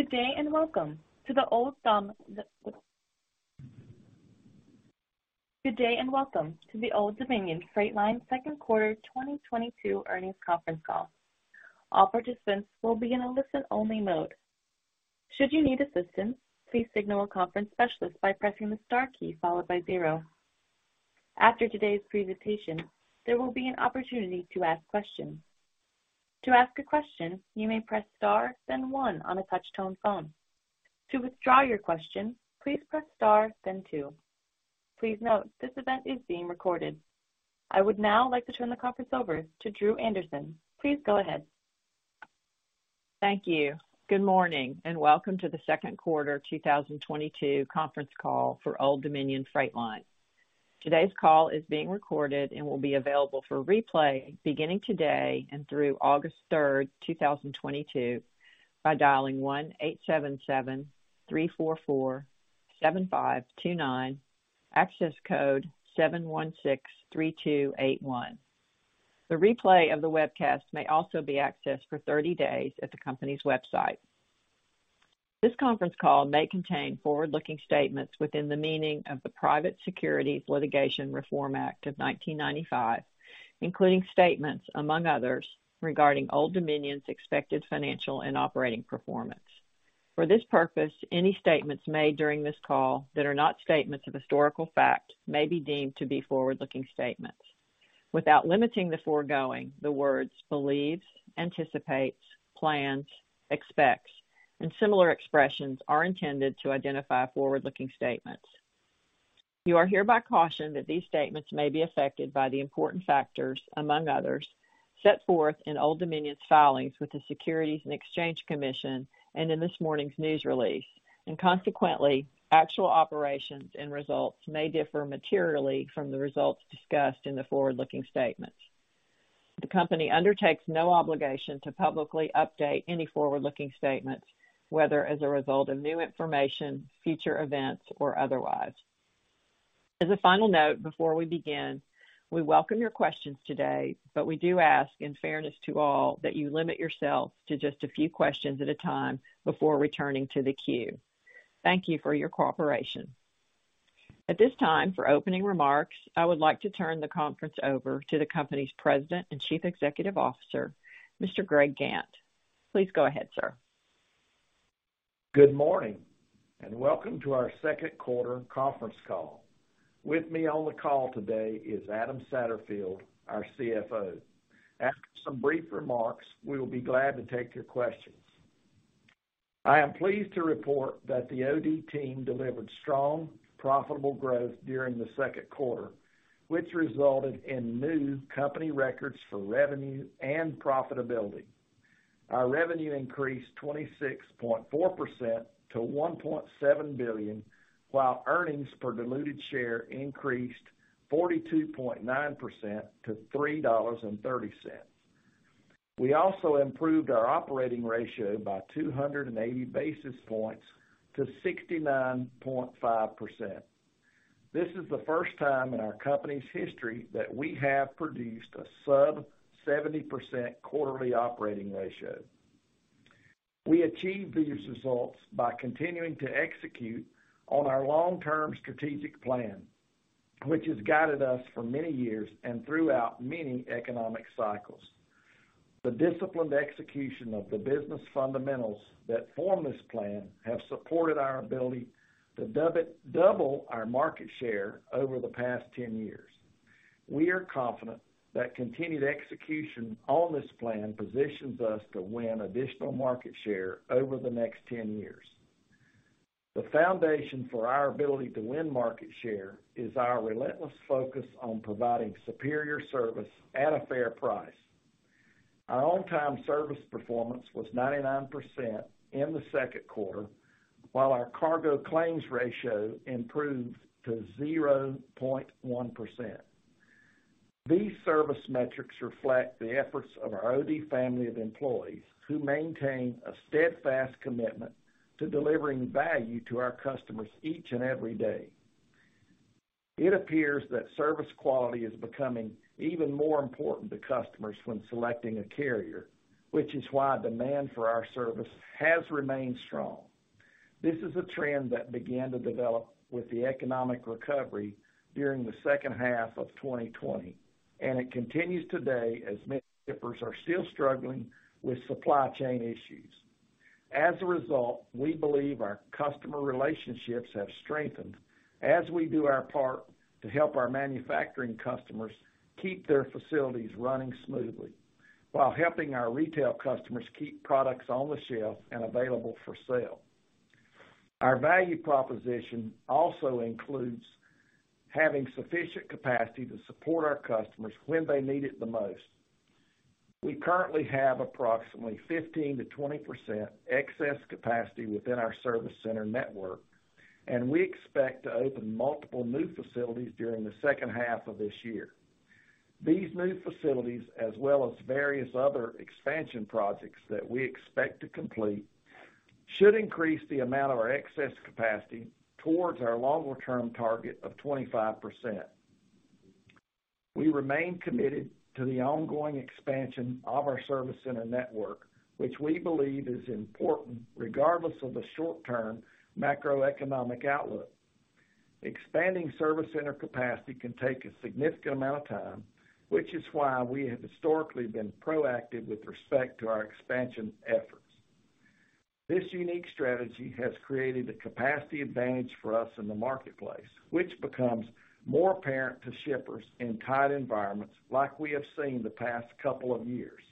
Good day, welcome to the Old Dominion Freight Line second quarter 2022 earnings conference call. All participants will be in a listen-only mode. Should you need assistance, please signal a conference specialist by pressing the star key followed by zero. After today's presentation, there will be an opportunity to ask questions. To ask a question, you may press star, then one on a touch-tone phone. To withdraw your question, please press star, then two. Please note, this event is being recorded. I would now like to turn the conference over to Drew Andersen. Please go ahead. Thank you. Good morning, and welcome to the second quarter 2022 conference call for Old Dominion Freight Line. Today's call is being recorded and will be available for replay beginning today and through August 3rd, 2022 by dialing 1-877-344-7529, access code 7163281. The replay of the webcast may also be accessed for 30 days at the company's website. This conference call may contain forward-looking statements within the meaning of the Private Securities Litigation Reform Act of 1995, including statements, among others, regarding Old Dominion's expected financial and operating performance. For this purpose, any statements made during this call that are not statements of historical fact may be deemed to be forward-looking statements. Without limiting the foregoing, the words believes, anticipates, plans, expects, and similar expressions are intended to identify forward-looking statements. You are hereby cautioned that these statements may be affected by the important factors, among others, set forth in Old Dominion's filings with the Securities and Exchange Commission and in this morning's news release, and consequently, actual operations and results may differ materially from the results discussed in the forward-looking statements. The company undertakes no obligation to publicly update any forward-looking statements, whether as a result of new information, future events, or otherwise. As a final note, before we begin, we welcome your questions today, but we do ask, in fairness to all, that you limit yourself to just a few questions at a time before returning to the queue. Thank you for your cooperation. At this time, for opening remarks, I would like to turn the conference over to the company's President and Chief Executive Officer, Mr. Greg Gantt. Please go ahead, sir. Good morning, and welcome to our second quarter conference call. With me on the call today is Adam Satterfield, our CFO. After some brief remarks, we will be glad to take your questions. I am pleased to report that the OD team delivered strong, profitable growth during the second quarter, which resulted in new company records for revenue and profitability. Our revenue increased 26.4% to $1.7 billion, while earnings per diluted share increased 42.9% to $3.30. We also improved our operating ratio by 280 basis points to 69.5%. This is the first time in our company's history that we have produced a sub-70% quarterly operating ratio. We achieved these results by continuing to execute on our long-term strategic plan, which has guided us for many years and throughout many economic cycles. The disciplined execution of the business fundamentals that form this plan have supported our ability to double our market share over the past 10 years. We are confident that continued execution on this plan positions us to win additional market share over the next 10 years. The foundation for our ability to win market share is our relentless focus on providing superior service at a fair price. Our on-time service performance was 99% in the second quarter, while our cargo claims ratio improved to 0.1%. These service metrics reflect the efforts of our OD family of employees who maintain a steadfast commitment to delivering value to our customers each and every day. It appears that service quality is becoming even more important to customers when selecting a carrier, which is why demand for our service has remained strong. This is a trend that began to develop with the economic recovery during the second half of 2020, and it continues today as many shippers are still struggling with supply chain issues. As a result, we believe our customer relationships have strengthened as we do our part to help our manufacturing customers keep their facilities running smoothly while helping our retail customers keep products on the shelf and available for sale. Our value proposition also includes having sufficient capacity to support our customers when they need it the most. We currently have approximately 15%-20% excess capacity within our service center network, and we expect to open multiple new facilities during the second half of this year. These new facilities, as well as various other expansion projects that we expect to complete, should increase the amount of our excess capacity towards our longer-term target of 25%. We remain committed to the ongoing expansion of our service center network, which we believe is important regardless of the short term macroeconomic outlook. Expanding service center capacity can take a significant amount of time, which is why we have historically been proactive with respect to our expansion efforts. This unique strategy has created a capacity advantage for us in the marketplace, which becomes more apparent to shippers in tight environments like we have seen the past couple of years.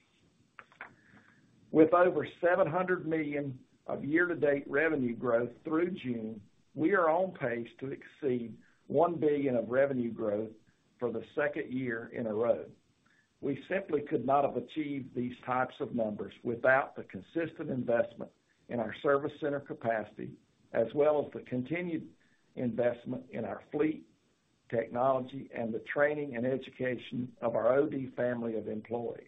With over $700 million of year-to-date revenue growth through June, we are on pace to exceed $1 billion of revenue growth for the second year in a row. We simply could not have achieved these types of numbers without the consistent investment in our service center capacity, as well as the continued investment in our fleet technology and the training and education of our OD family of employees.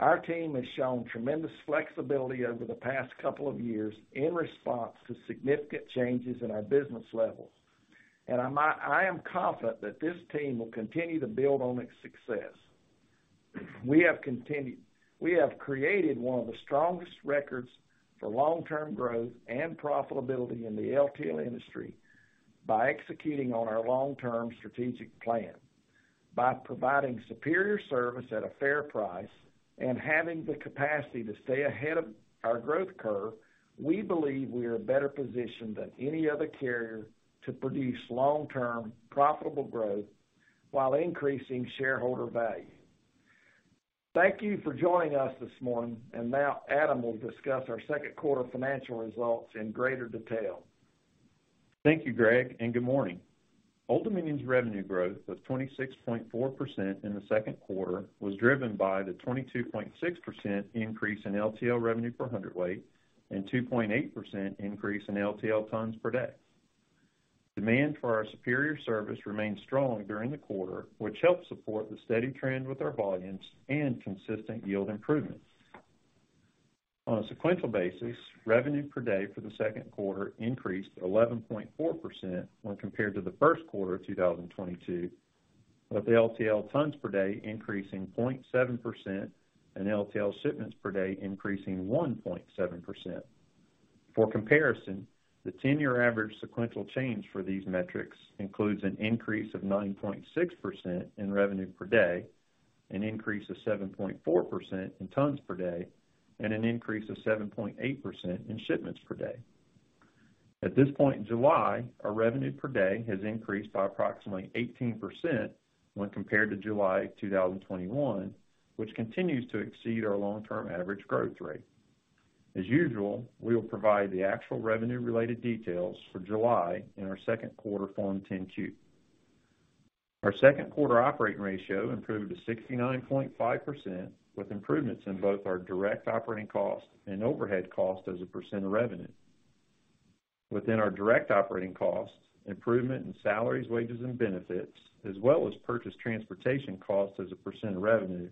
Our team has shown tremendous flexibility over the past couple of years in response to significant changes in our business levels, and I am confident that this team will continue to build on its success. We have created one of the strongest records for long-term growth and profitability in the LTL industry by executing on our long-term strategic plan. By providing superior service at a fair price and having the capacity to stay ahead of our growth curve, we believe we are better positioned than any other carrier to produce long-term profitable growth while increasing shareholder value. Thank you for joining us this morning, and now Adam will discuss our second quarter financial results in greater detail. Thank you, Greg, and good morning. Old Dominion's revenue growth of 26.4% in the second quarter was driven by the 22.6% increase in LTL revenue per hundredweight and 2.8% increase in LTL tons per day. Demand for our superior service remained strong during the quarter, which helped support the steady trend with our volumes and consistent yield improvements. On a sequential basis, revenue per day for the second quarter increased 11.4% when compared to the first quarter of 2022, with LTL tons per day increasing 0.7% and LTL shipments per day increasing 1.7%. For comparison, the 10-year average sequential change for these metrics includes an increase of 9.6% in revenue per day, an increase of 7.4% in tons per day, and an increase of 7.8% in shipments per day. At this point in July, our revenue per day has increased by approximately 18% when compared to July of 2021, which continues to exceed our long-term average growth rate. As usual, we will provide the actual revenue-related details for July in our second quarter Form 10-Q. Our second quarter operating ratio improved to 69.5%, with improvements in both our direct operating cost and overhead cost as a percent of revenue. Within our direct operating costs, improvement in salaries, wages and benefits, as well as purchased transportation costs as a percent of revenue,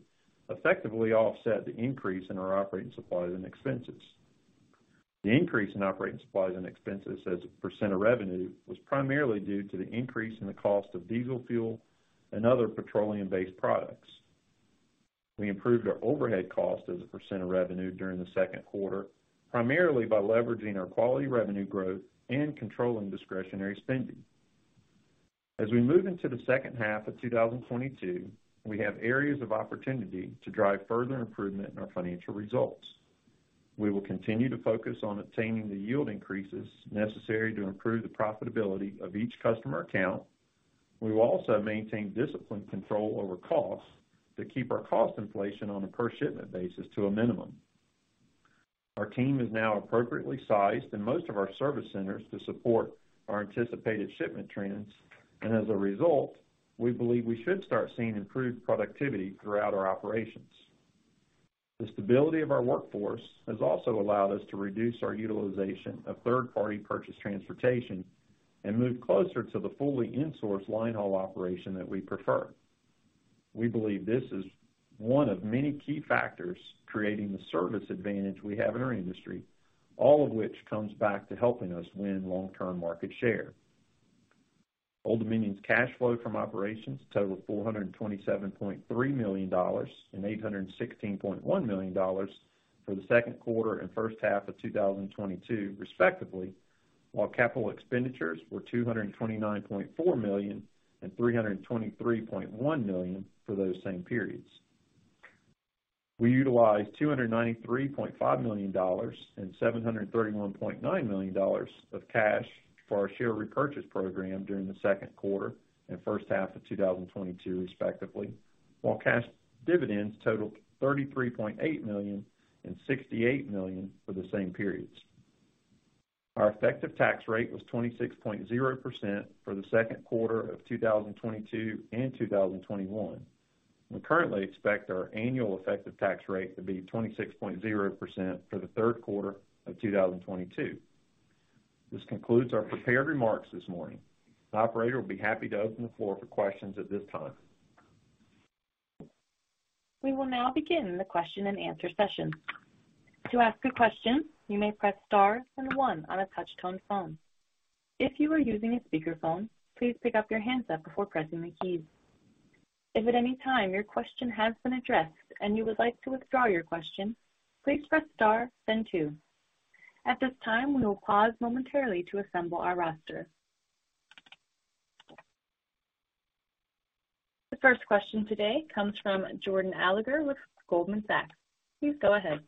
effectively offset the increase in our operating supplies and expenses. The increase in operating supplies and expenses as a percent of revenue was primarily due to the increase in the cost of diesel fuel and other petroleum-based products. We improved our overhead cost as a percent of revenue during the second quarter, primarily by leveraging our quality revenue growth and controlling discretionary spending. As we move into the second half of 2022, we have areas of opportunity to drive further improvement in our financial results. We will continue to focus on obtaining the yield increases necessary to improve the profitability of each customer account. We will also maintain disciplined control over costs to keep our cost inflation on a per shipment basis to a minimum. Our team is now appropriately sized in most of our service centers to support our anticipated shipment trends, and as a result, we believe we should start seeing improved productivity throughout our operations. The stability of our workforce has also allowed us to reduce our utilization of third-party purchased transportation and move closer to the fully insourced line haul operation that we prefer. We believe this is one of many key factors creating the service advantage we have in our industry, all of which comes back to helping us win long-term market share. Old Dominion's cash flow from operations totaled $427.3 million and $816.1 million for the second quarter and first half of 2022, respectively, while capital expenditures were $229.4 million and $323.1 million for those same periods. We utilized $293.5 million and $731.9 million of cash for our share repurchase program during the second quarter and first half of 2022, respectively, while cash dividends totaled $33.8 million and $68 million for the same periods. Our effective tax rate was 26.0% for the second quarter of 2022 and 2021. We currently expect our annual effective tax rate to be 26.0% for the third quarter of 2022. This concludes our prepared remarks this morning. The operator will be happy to open the floor for questions at this time. We will now begin the question-and-answer session. To ask a question, you may press star and one on a touchtone phone. If you are using a speakerphone, please pick up your handset before pressing the keys. If at any time your question has been addressed and you would like to withdraw your question, please press star then two. At this time, we will pause momentarily to assemble our roster. The first question today comes from Jordan Alliger with Goldman Sachs. Please go ahead.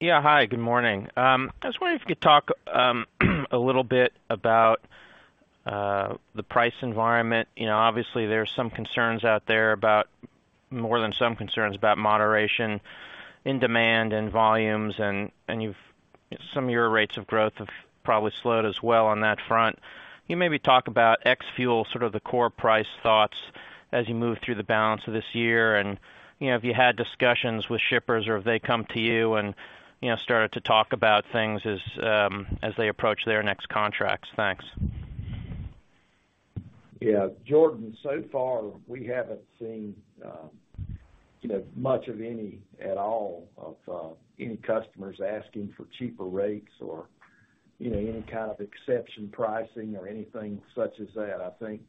Yeah. Hi, good morning. I was wondering if you could talk a little bit about the price environment. You know, obviously, there are some concerns out there about more than some concerns about moderation in demand and volumes, and some of your rates of growth have probably slowed as well on that front. Can you maybe talk about ex-fuel, sort of the core price thoughts as you move through the balance of this year and, you know, if you had discussions with shippers or have they come to you and, you know, started to talk about things as they approach their next contracts? Thanks. Yeah. Jordan, so far, we haven't seen, you know, much of any at all of any customers asking for cheaper rates or, you know, any kind of exception pricing or anything such as that. I think,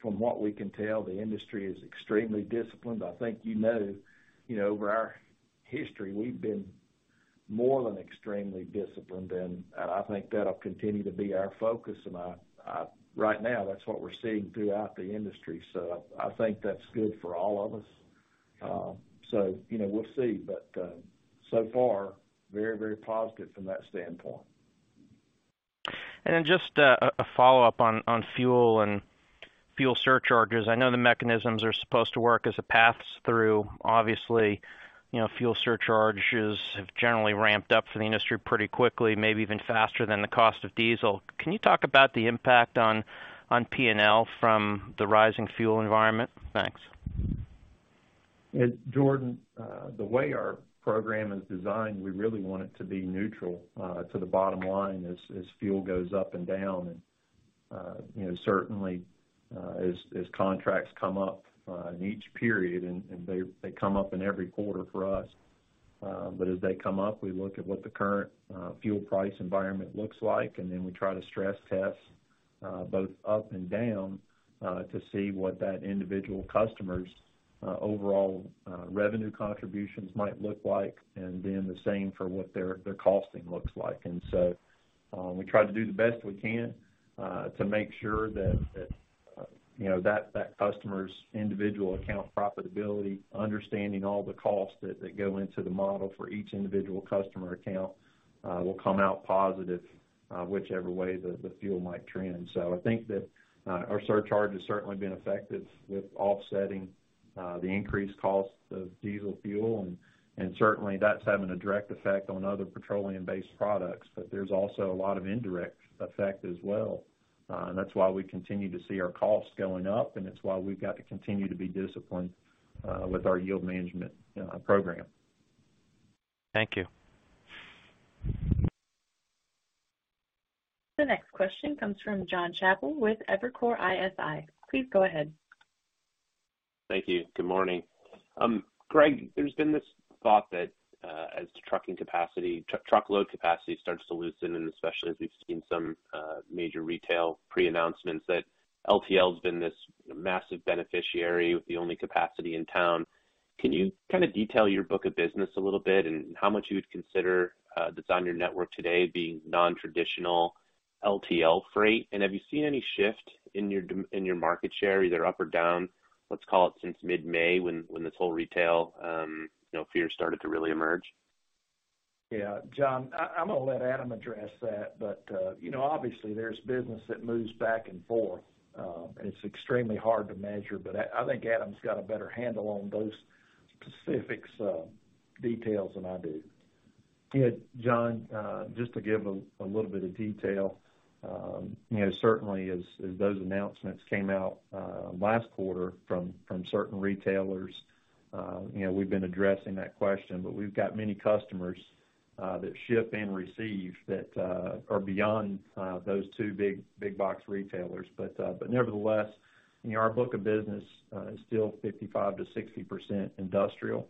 from what we can tell, the industry is extremely disciplined. I think, you know, over our history, we've been more than extremely disciplined, and I think that'll continue to be our focus. Right now that's what we're seeing throughout the industry. I think that's good for all of us. You know, we'll see. So far very, very positive from that standpoint. Then just a follow-up on fuel and fuel surcharges. I know the mechanisms are supposed to work as it passes through. Obviously, you know, fuel surcharges have generally ramped up for the industry pretty quickly, maybe even faster than the cost of diesel. Can you talk about the impact on P&L from the rising fuel environment? Thanks. Yeah. Jordan, the way our program is designed, we really want it to be neutral to the bottom line as fuel goes up and down. You know, certainly, as contracts come up in each period, and they come up in every quarter for us. As they come up, we look at what the current fuel price environment looks like, and then we try to stress test both up and down to see what that individual customer's overall revenue contributions might look like, and then the same for what their costing looks like. We try to do the best we can to make sure that you know that customer's individual account profitability, understanding all the costs that go into the model for each individual customer account, will come out positive, whichever way the fuel might trend. I think that our surcharge has certainly been effective with offsetting the increased cost of diesel fuel, and certainly that's having a direct effect on other petroleum-based products. There's also a lot of indirect effect as well. That's why we continue to see our costs going up, and it's why we've got to continue to be disciplined with our yield management program. Thank you. The next question comes from Jon Chappell with Evercore ISI. Please go ahead. Thank you. Good morning. Greg, there's been this thought that, as the trucking capacity, truckload capacity starts to loosen, and especially as we've seen some major retail pre-announcements, that LTL has been this massive beneficiary with the only capacity in town. Can you kind of detail your book of business a little bit and how much you would consider that's on your network today being nontraditional LTL freight? Have you seen any shift in your market share, either up or down, let's call it since mid-May when this whole retail, you know, fear started to really emerge? Yeah. John, I'm gonna let Adam address that. You know, obviously there's business that moves back and forth, and it's extremely hard to measure, but I think Adam's got a better handle on those specifics, details than I do. Yeah. John, just to give a little bit of detail. You know, certainly as those announcements came out last quarter from certain retailers, you know, we've been addressing that question. We've got many customers that ship and receive that are beyond those two big box retailers. Nevertheless, you know, our book of business is still 55%-60% industrial.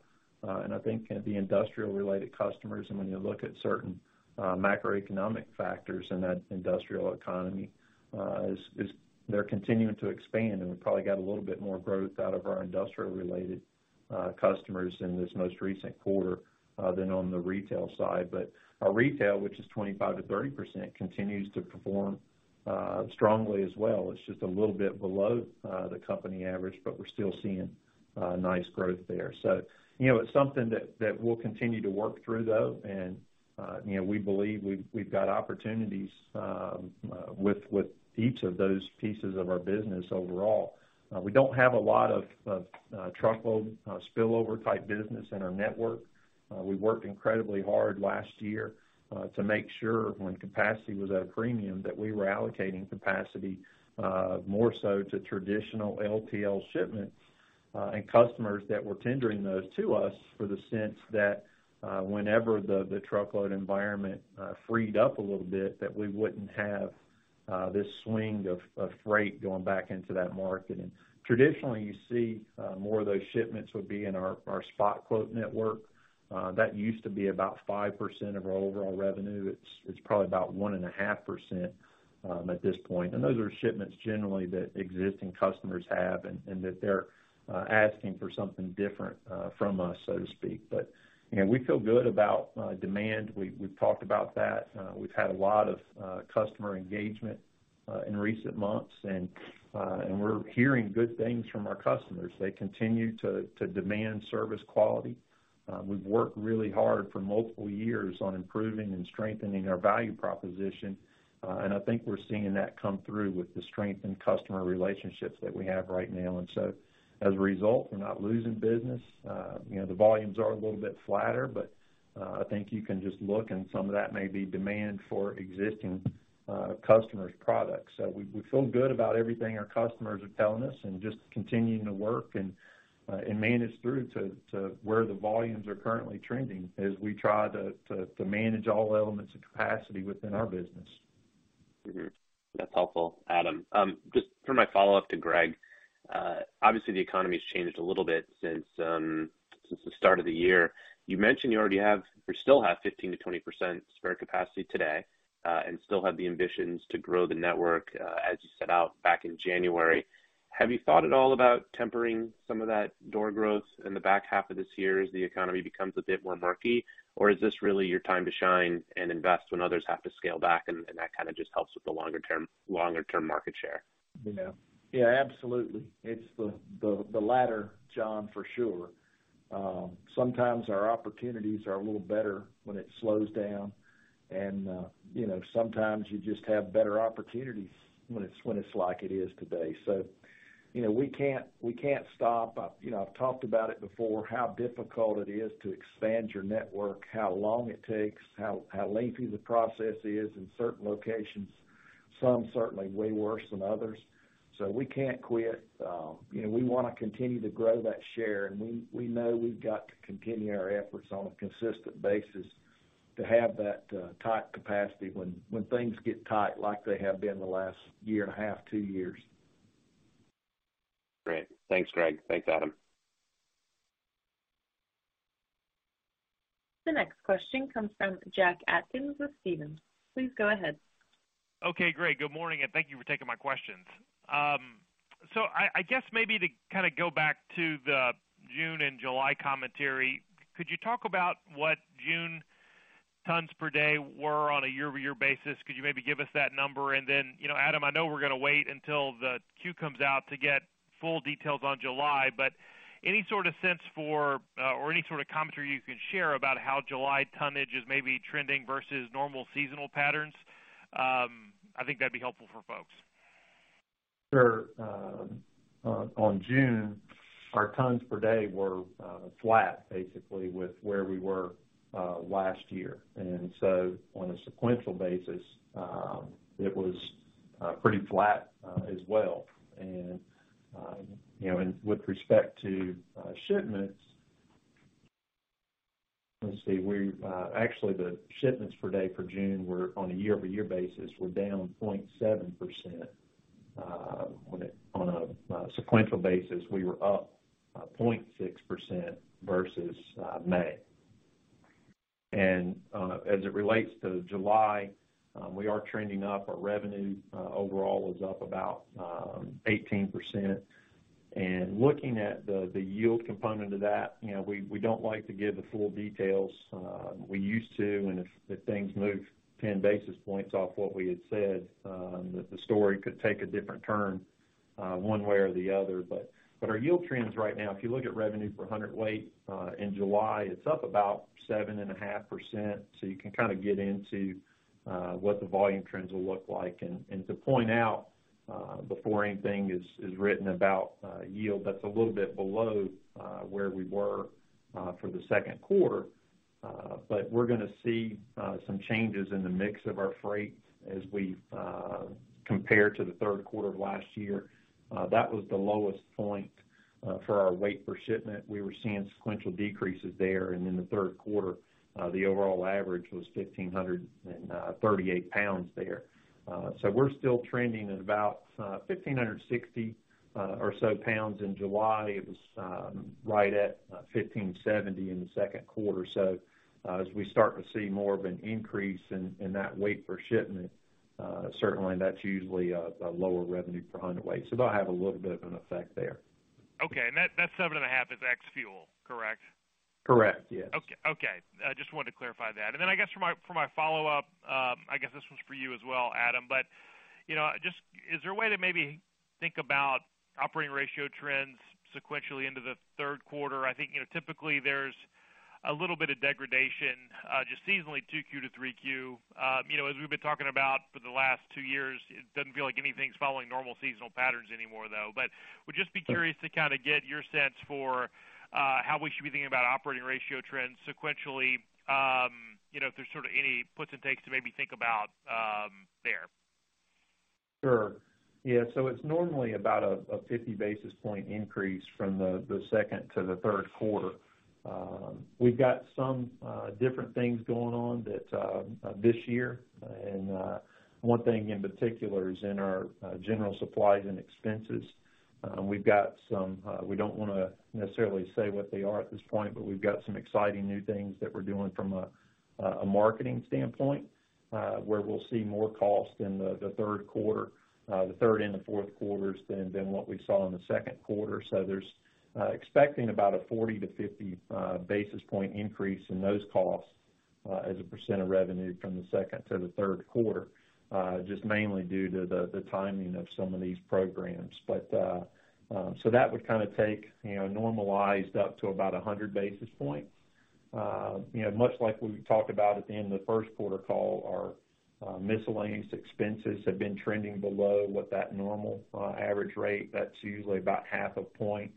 I think the industrial related customers, and when you look at certain macroeconomic factors in that industrial economy, they're continuing to expand and we probably got a little bit more growth out of our industrial related customers in this most recent quarter than on the retail side. Our retail, which is 25%-30%, continues to perform strongly as well. It's just a little bit below the company average, but we're still seeing nice growth there. You know, it's something that we'll continue to work through, though, and, you know, we believe we've got opportunities with each of those pieces of our business overall. We don't have a lot of truckload spillover type business in our network. We worked incredibly hard last year to make sure when capacity was at a premium that we were allocating capacity more so to traditional LTL shipments and customers that were tendering those to us for the sense that whenever the truckload environment freed up a little bit, that we wouldn't have this swing of freight going back into that market. Traditionally, you see, more of those shipments would be in our spot quote network. That used to be about 5% of our overall revenue. It's probably about 1.5% at this point. Those are shipments generally that existing customers have and that they're asking for something different from us, so to speak. You know, we feel good about demand. We've talked about that. We've had a lot of customer engagement in recent months. We're hearing good things from our customers. They continue to demand service quality. We've worked really hard for multiple years on improving and strengthening our value proposition. I think we're seeing that come through with the strength in customer relationships that we have right now. As a result, we're not losing business. You know, the volumes are a little bit flatter, but I think you can just look, and some of that may be demand for existing customers' products. We feel good about everything our customers are telling us and just continuing to work and manage through to where the volumes are currently trending as we try to manage all elements of capacity within our business. Mm-hmm. That's helpful, Adam. Just for my follow-up to Greg, obviously the economy has changed a little bit since the start of the year. You mentioned you already have or still have 15%-20% spare capacity today, and still have the ambitions to grow the network, as you set out back in January. Have you thought at all about tempering some of that door growth in the back half of this year as the economy becomes a bit more murky? Or is this really your time to shine and invest when others have to scale back, and that kinda just helps with the longer term market share? Yeah. Yeah, absolutely. It's the latter, Jon, for sure. Sometimes our opportunities are a little better when it slows down and, you know, sometimes you just have better opportunities when it's like it is today. You know, we can't stop. You know, I've talked about it before, how difficult it is to expand your network, how long it takes, how lengthy the process is in certain locations. Some certainly way worse than others. We can't quit. You know, we wanna continue to grow that share, and we know we've got to continue our efforts on a consistent basis to have that tight capacity when things get tight like they have been the last year and a half, two years. Great. Thanks, Greg. Thanks, Adam. The next question comes from Jack Atkins with Stephens. Please go ahead. Okay, great. Good morning, and thank you for taking my questions. I guess maybe to kinda go back to the June and July commentary, could you talk about what June tons per day were on a year-over-year basis? Could you maybe give us that number? You know, Adam, I know we're gonna wait until the cue comes out to get full details on July. Any sort of commentary you can share about how July tonnage is maybe trending versus normal seasonal patterns, I think that'd be helpful for folks. Sure. On June, our tons per day were flat, basically, with where we were last year. On a sequential basis, it was pretty flat as well. You know, with respect to shipments, let's see, actually, the shipments per day for June were on a year-over-year basis down 0.7%. On a sequential basis, we were up 0.6% versus May. As it relates to July, we are trending up. Our revenue overall was up about 18%. Looking at the yield component of that, you know, we don't like to give the full details. We used to, if things move 10 basis points off what we had said, that the story could take a different turn, one way or the other. Our yield trends right now, if you look at revenue per hundredweight, in July, it's up about 7.5%, so you can kinda get into what the volume trends will look like. To point out, before anything is written about yield, that's a little bit below where we were for the second quarter. We're gonna see some changes in the mix of our freight as we compare to the third quarter of last year. That was the lowest point for our weight per shipment. We were seeing sequential decreases there. In the third quarter, the overall average was 1,538 pounds there. We're still trending at about 1,560 or so pounds in July. It was right at 1,570 in the second quarter. As we start to see more of an increase in that weight per shipment, certainly that's usually the lower revenue per hundredweight. That'll have a little bit of an effect there. Okay. That seven and a half is ex-fuel, correct? Correct. Yes. I just wanted to clarify that. I guess for my follow-up, I guess this one's for you as well, Adam. You know, is there a way to maybe think about operating ratio trends sequentially into the third quarter? I think, you know, typically there's a little bit of degradation just seasonally 2Q to 3Q. You know, as we've been talking about for the last two years, it doesn't feel like anything's following normal seasonal patterns anymore though. I would just be curious to get your sense for how we should be thinking about operating ratio trends sequentially. You know, if there's sort of any puts and takes to maybe think about there. Sure. Yeah. It's normally about a 50 basis point increase from the second to the third quarter. We've got some different things going on that this year. One thing in particular is in our general supplies and expenses. We've got some we don't wanna necessarily say what they are at this point, but we've got some exciting new things that we're doing from a marketing standpoint, where we'll see more cost in the third quarter, the third and the fourth quarters than what we saw in the second quarter. We're expecting about a 40-50 basis point increase in those costs as a percent of revenue from the second to the third quarter just mainly due to the timing of some of these programs. That would kinda take, you know, normalized up to about 100 basis points. You know, much like we talked about at the end of the first quarter call, our miscellaneous expenses have been trending below what that normal average rate. That's usually about half a point.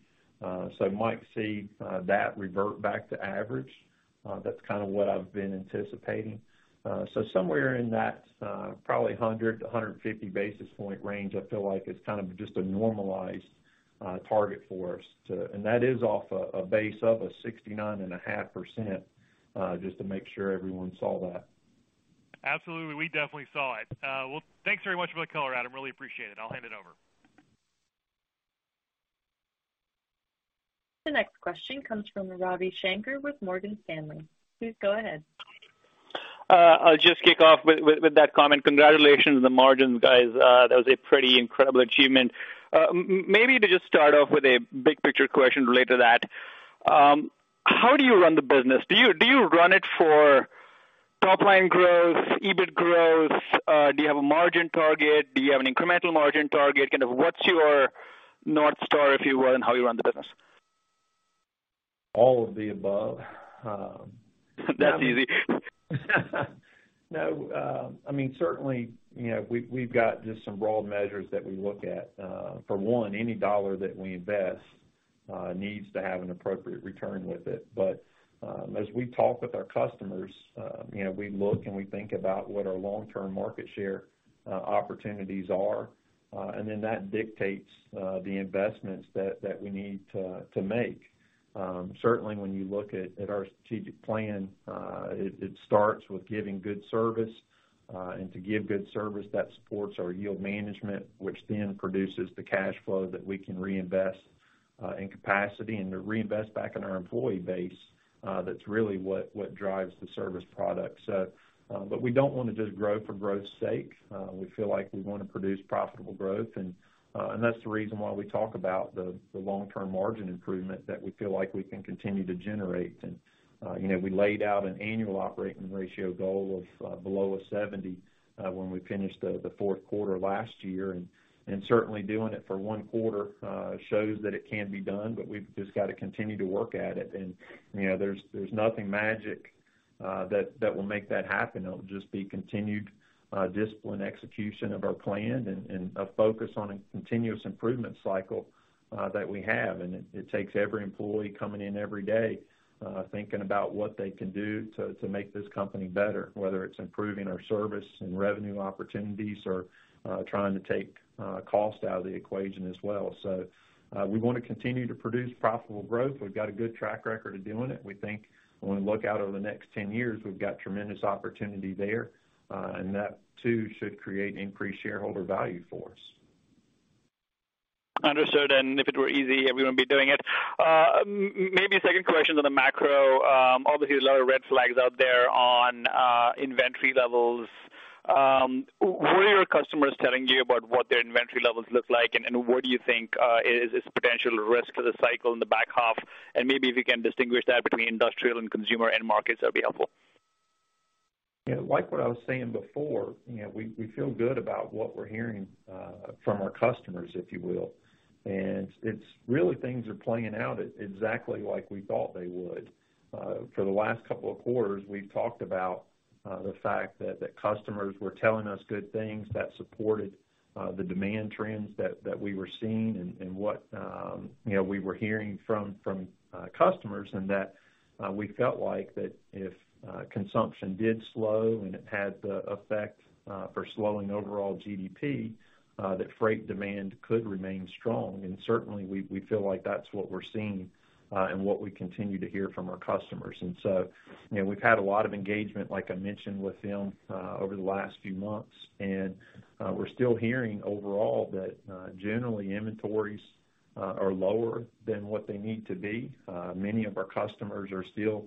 Might see that revert back to average. That's kinda what I've been anticipating. Somewhere in that, probably 100-150 basis point range, I feel like is kind of just a normalized target for us. That is off a base of a 69.5%, just to make sure everyone saw that. Absolutely. We definitely saw it. Well, thanks very much for the color, Adam. Really appreciate it. I'll hand it over. The next question comes from Ravi Shanker with Morgan Stanley. Please go ahead. I'll just kick off with that comment. Congratulations on the margins, guys. That was a pretty incredible achievement. Maybe to just start off with a big picture question related to that, how do you run the business? Do you run it for top line growth, EBIT growth? Do you have a margin target? Do you have an incremental margin target? Kind of what's your North Star, if you will, in how you run the business? All of the above. That's easy. No, I mean, certainly, you know, we've got just some broad measures that we look at. For one, any dollar that we invest needs to have an appropriate return with it. As we talk with our customers, you know, we look and we think about what our long-term market share opportunities are, and then that dictates the investments that we need to make. Certainly when you look at our strategic plan, it starts with giving good service, and to give good service that supports our yield management, which then produces the cash flow that we can reinvest in capacity and to reinvest back in our employee base, that's really what drives the service product. But we don't wanna just grow for growth's sake. We feel like we wanna produce profitable growth and that's the reason why we talk about the long-term margin improvement that we feel like we can continue to generate. You know, we laid out an annual operating ratio goal of below 70 when we finished the fourth quarter last year. Certainly doing it for one quarter shows that it can be done, but we've just gotta continue to work at it. You know, there's nothing magic that will make that happen. It'll just be continued disciplined execution of our plan and a focus on a continuous improvement cycle that we have. It takes every employee coming in every day thinking about what they can do to make this company better, whether it's improving our service and revenue opportunities or trying to take cost out of the equation as well. We wanna continue to produce profitable growth. We've got a good track record of doing it. We think when we look out over the next 10 years, we've got tremendous opportunity there, and that too should create increased shareholder value for us. Understood. If it were easy, everyone would be doing it. Maybe a second question on the macro. Obviously a lot of red flags out there on inventory levels. What are your customers telling you about what their inventory levels look like? What do you think is potential risk to the cycle in the back half? Maybe if you can distinguish that between industrial and consumer end markets, that'd be helpful. Yeah. Like what I was saying before, you know, we feel good about what we're hearing from our customers, if you will. It's really things are playing out exactly like we thought they would. For the last couple of quarters, we've talked about the fact that customers were telling us good things that supported the demand trends that we were seeing and what you know we were hearing from customers, and that we felt like that if consumption did slow and it had the effect for slowing overall GDP that freight demand could remain strong. Certainly we feel like that's what we're seeing and what we continue to hear from our customers. You know, we've had a lot of engagement, like I mentioned, with them, over the last few months. We're still hearing overall that generally inventories are lower than what they need to be. Many of our customers are still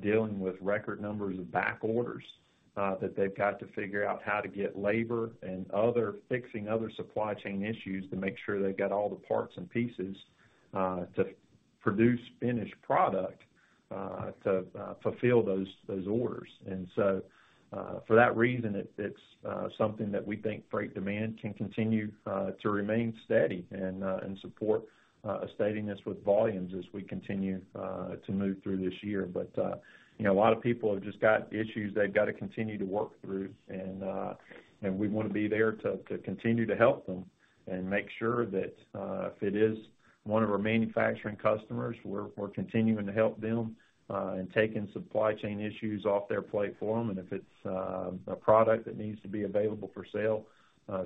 dealing with record numbers of back orders that they've got to figure out how to get labor and other, fixing other supply chain issues to make sure they've got all the parts and pieces to produce finished product to fulfill those orders. For that reason, it's something that we think freight demand can continue to remain steady and support a steadiness with volumes as we continue to move through this year. You know, a lot of people have just got issues they've got to continue to work through. We wanna be there to continue to help them and make sure that if it is one of our manufacturing customers, we're continuing to help them in taking supply chain issues off their plate for them. If it's a product that needs to be available for sale,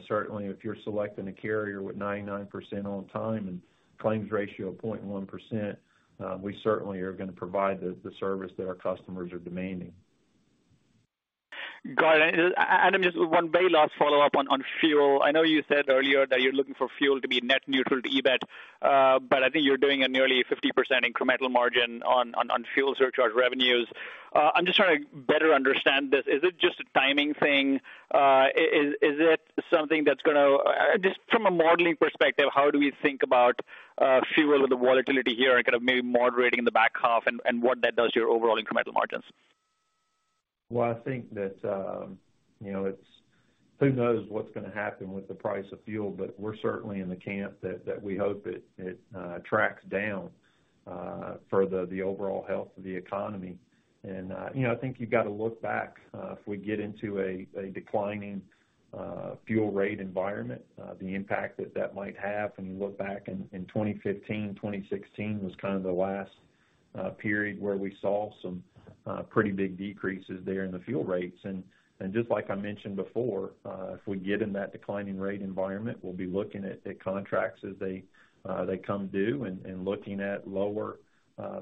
certainly if you're selecting a carrier with 99% on time and claims ratio of 0.1%, we certainly are gonna provide the service that our customers are demanding. Got it. I'm just one very last follow-up on fuel. I know you said earlier that you're looking for fuel to be net neutral to EBIT, but I think you're doing a nearly 50% incremental margin on fuel surcharge revenues. I'm just trying to better understand this. Is it just a timing thing? Just from a modeling perspective, how do we think about fuel with the volatility here and kind of maybe moderating in the back half and what that does to your overall incremental margins? Well, I think that, you know, it's who knows what's gonna happen with the price of fuel, but we're certainly in the camp that we hope it tracks down for the overall health of the economy. I think you've got to look back if we get into a declining fuel rate environment, the impact that might have when you look back in 2015, 2016 was kind of the last period where we saw some pretty big decreases there in the fuel rates. Just like I mentioned before, if we get in that declining rate environment, we'll be looking at contracts as they come due and looking at lower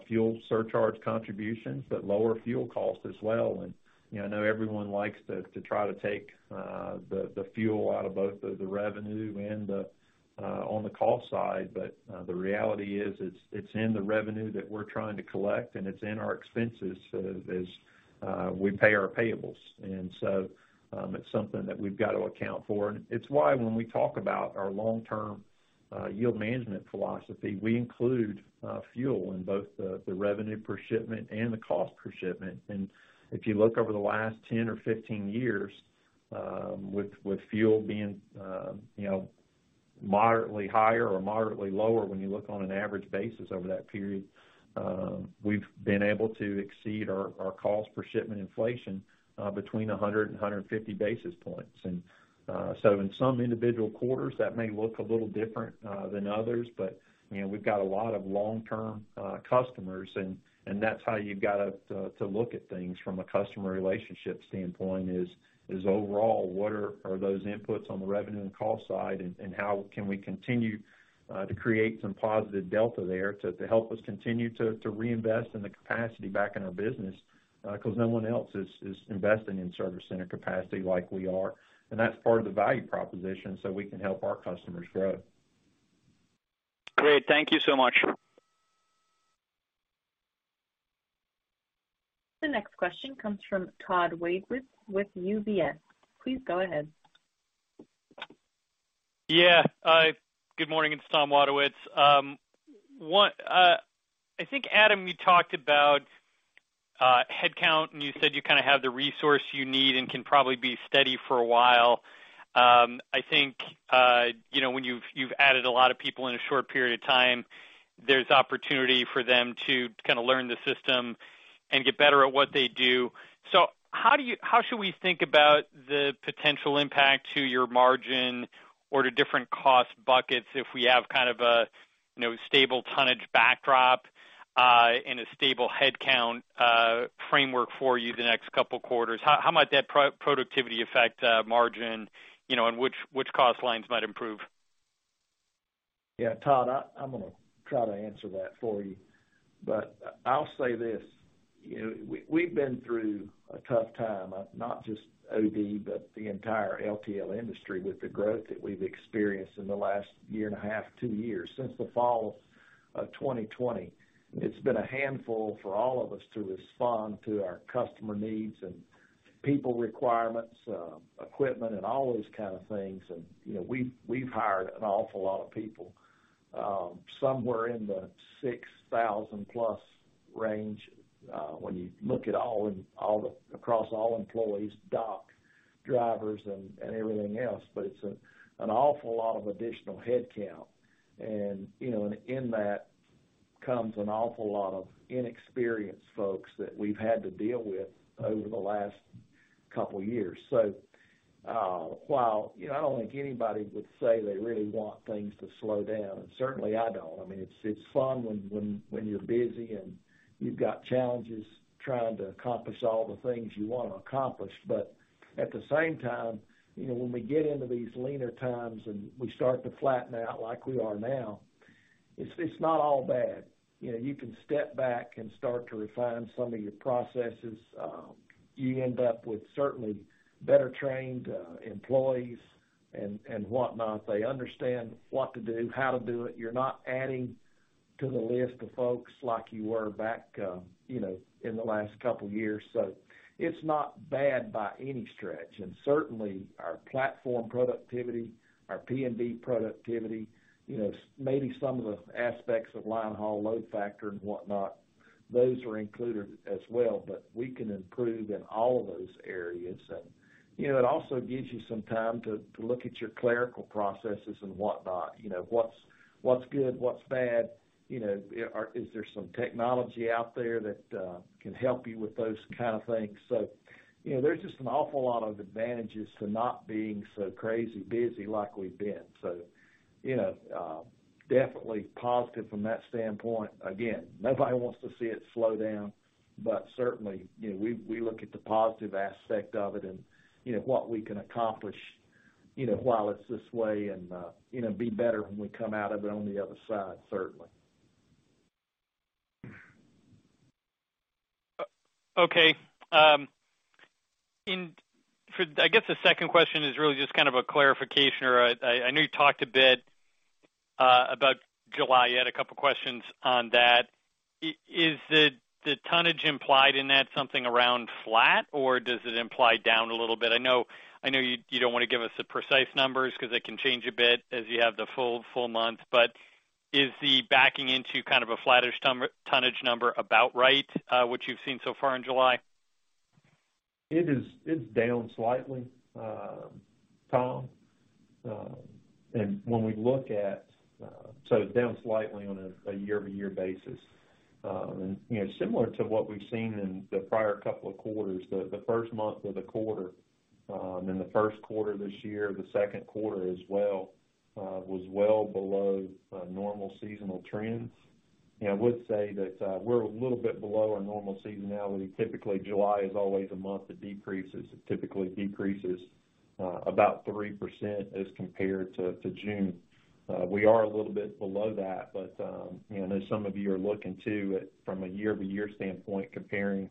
fuel surcharge contributions, but lower fuel costs as well. You know, I know everyone likes to try to take the fuel out of both the revenue and on the cost side, but the reality is, it's in the revenue that we're trying to collect, and it's in our expenses as we pay our payables. It's something that we've got to account for. It's why when we talk about our long-term yield management philosophy, we include fuel in both the revenue per shipment and the cost per shipment. If you look over the last 10 or 15 years, with fuel being, you know, moderately higher or moderately lower when you look on an average basis over that period, we've been able to exceed our cost per shipment inflation between 100 and 150 basis points. So in some individual quarters, that may look a little different than others, but, you know, we've got a lot of long-term customers, and that's how you've got to look at things from a customer relationship standpoint is overall, what are those inputs on the revenue and cost side and how can we continue to create some positive delta there to help us continue to reinvest in the capacity back in our business? Because no one else is investing in service center capacity like we are. That's part of the value proposition so we can help our customers grow. Great. Thank you so much. The next question comes from Tom Wadewitz with UBS. Please go ahead. Good morning, it's Tom Wadewitz. I think, Adam, you talked about headcount, and you said you kinda have the resource you need and can probably be steady for a while. I think, you know, when you've added a lot of people in a short period of time, there's opportunity for them to kinda learn the system and get better at what they do. How should we think about the potential impact to your margin or to different cost buckets if we have kind of a stable tonnage backdrop and a stable headcount framework for you the next couple quarters? How might that productivity affect margin, you know, and which cost lines might improve? Yeah, Todd, I'm gonna try to answer that for you. I'll say this, you know, we've been through a tough time, not just OD, but the entire LTL industry with the growth that we've experienced in the last year and a half, two years, since the fall of 2020. It's been a handful for all of us to respond to our customer needs and people requirements, equipment and all those kind of things. You know, we've hired an awful lot of people, somewhere in the 6,000+ range, when you look at all across all employees, dock, drivers and everything else. It's an awful lot of additional headcount. You know, in that comes an awful lot of inexperienced folks that we've had to deal with over the last couple years. While you know, I don't think anybody would say they really want things to slow down, and certainly I don't. I mean, it's fun when you're busy and you've got challenges trying to accomplish all the things you want to accomplish. At the same time, you know, when we get into these leaner times and we start to flatten out like we are now, it's not all bad. You know, you can step back and start to refine some of your processes. You end up with certainly better trained employees and whatnot. They understand what to do, how to do it. You're not adding to the list of folks like you were back, you know, in the last couple years. It's not bad by any stretch. Certainly our platform productivity, our P&D productivity, you know, maybe some of the aspects of line haul load factor and whatnot, those are included as well. We can improve in all of those areas. It also gives you some time to look at your clerical processes and whatnot. You know, what's good, what's bad? You know, is there some technology out there that can help you with those kind of things? There's just an awful lot of advantages to not being so crazy busy like we've been. You know, definitely positive from that standpoint. Again, nobody wants to see it slow down, but certainly, you know, we look at the positive aspect of it and, you know, what we can accomplish, you know, while it's this way and, you know, be better when we come out of it on the other side, certainly. Okay. I guess the second question is really just kind of a clarification, or I know you talked a bit about July. I had a couple of questions on that. Is the tonnage implied in that something around flat, or does it imply down a little bit? I know you don't wanna give us the precise numbers 'cause they can change a bit as you have the full month. But is the backing into kind of a flattish tonnage number about right, what you've seen so far in July? It is. It's down slightly, Tom. Down slightly on a year-over-year basis. You know, similar to what we've seen in the prior couple of quarters, the first month of the quarter, in the first quarter this year, the second quarter as well, was well below normal seasonal trends. I would say that we're a little bit below our normal seasonality. Typically, July is always a month that decreases. It typically decreases about 3% as compared to June. We are a little bit below that, but you know, as some of you are looking too at from a year-over-year standpoint, comparing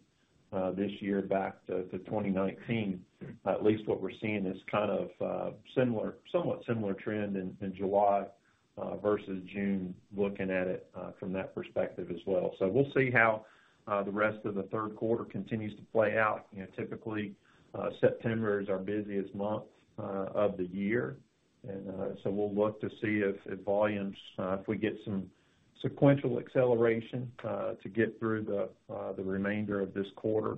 this year back to 2019, at least what we're seeing is kind of somewhat similar trend in July versus June, looking at it from that perspective as well. We'll see how the rest of the third quarter continues to play out. You know, typically September is our busiest month of the year. We'll look to see if volumes, if we get some sequential acceleration to get through the remainder of this quarter.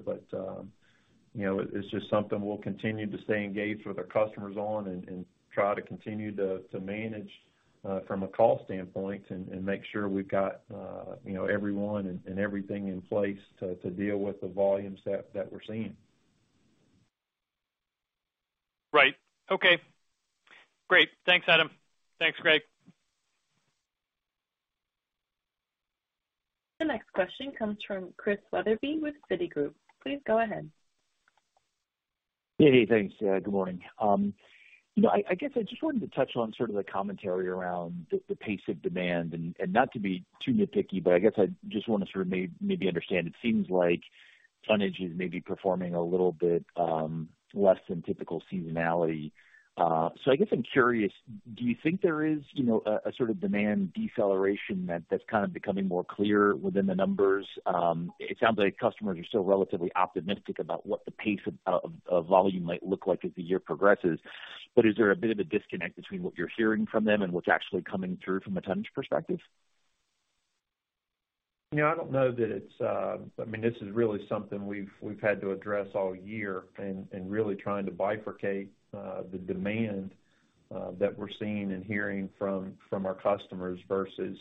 It's just something we'll continue to stay engaged with our customers on and try to continue to manage from a cost standpoint and make sure we've got you know everyone and everything in place to deal with the volumes that we're seeing. Right. Okay. Great. Thanks, Adam. Thanks, Greg. The next question comes from Chris Wetherbee with Citigroup. Please go ahead. Hey, thanks. Yeah, good morning. You know, I guess I just wanted to touch on sort of the commentary around the pace of demand and not to be too nitpicky, but I guess I just wanna sort of maybe understand. It seems like tonnage is maybe performing a little bit less than typical seasonality. So I guess I'm curious, do you think there is, you know, a sort of demand deceleration that's kind of becoming more clear within the numbers? It sounds like customers are still relatively optimistic about what the pace of volume might look like as the year progresses. Is there a bit of a disconnect between what you're hearing from them and what's actually coming through from a tonnage perspective? You know, I don't know that it's. I mean, this is really something we've had to address all year and really trying to bifurcate the demand that we're seeing and hearing from our customers versus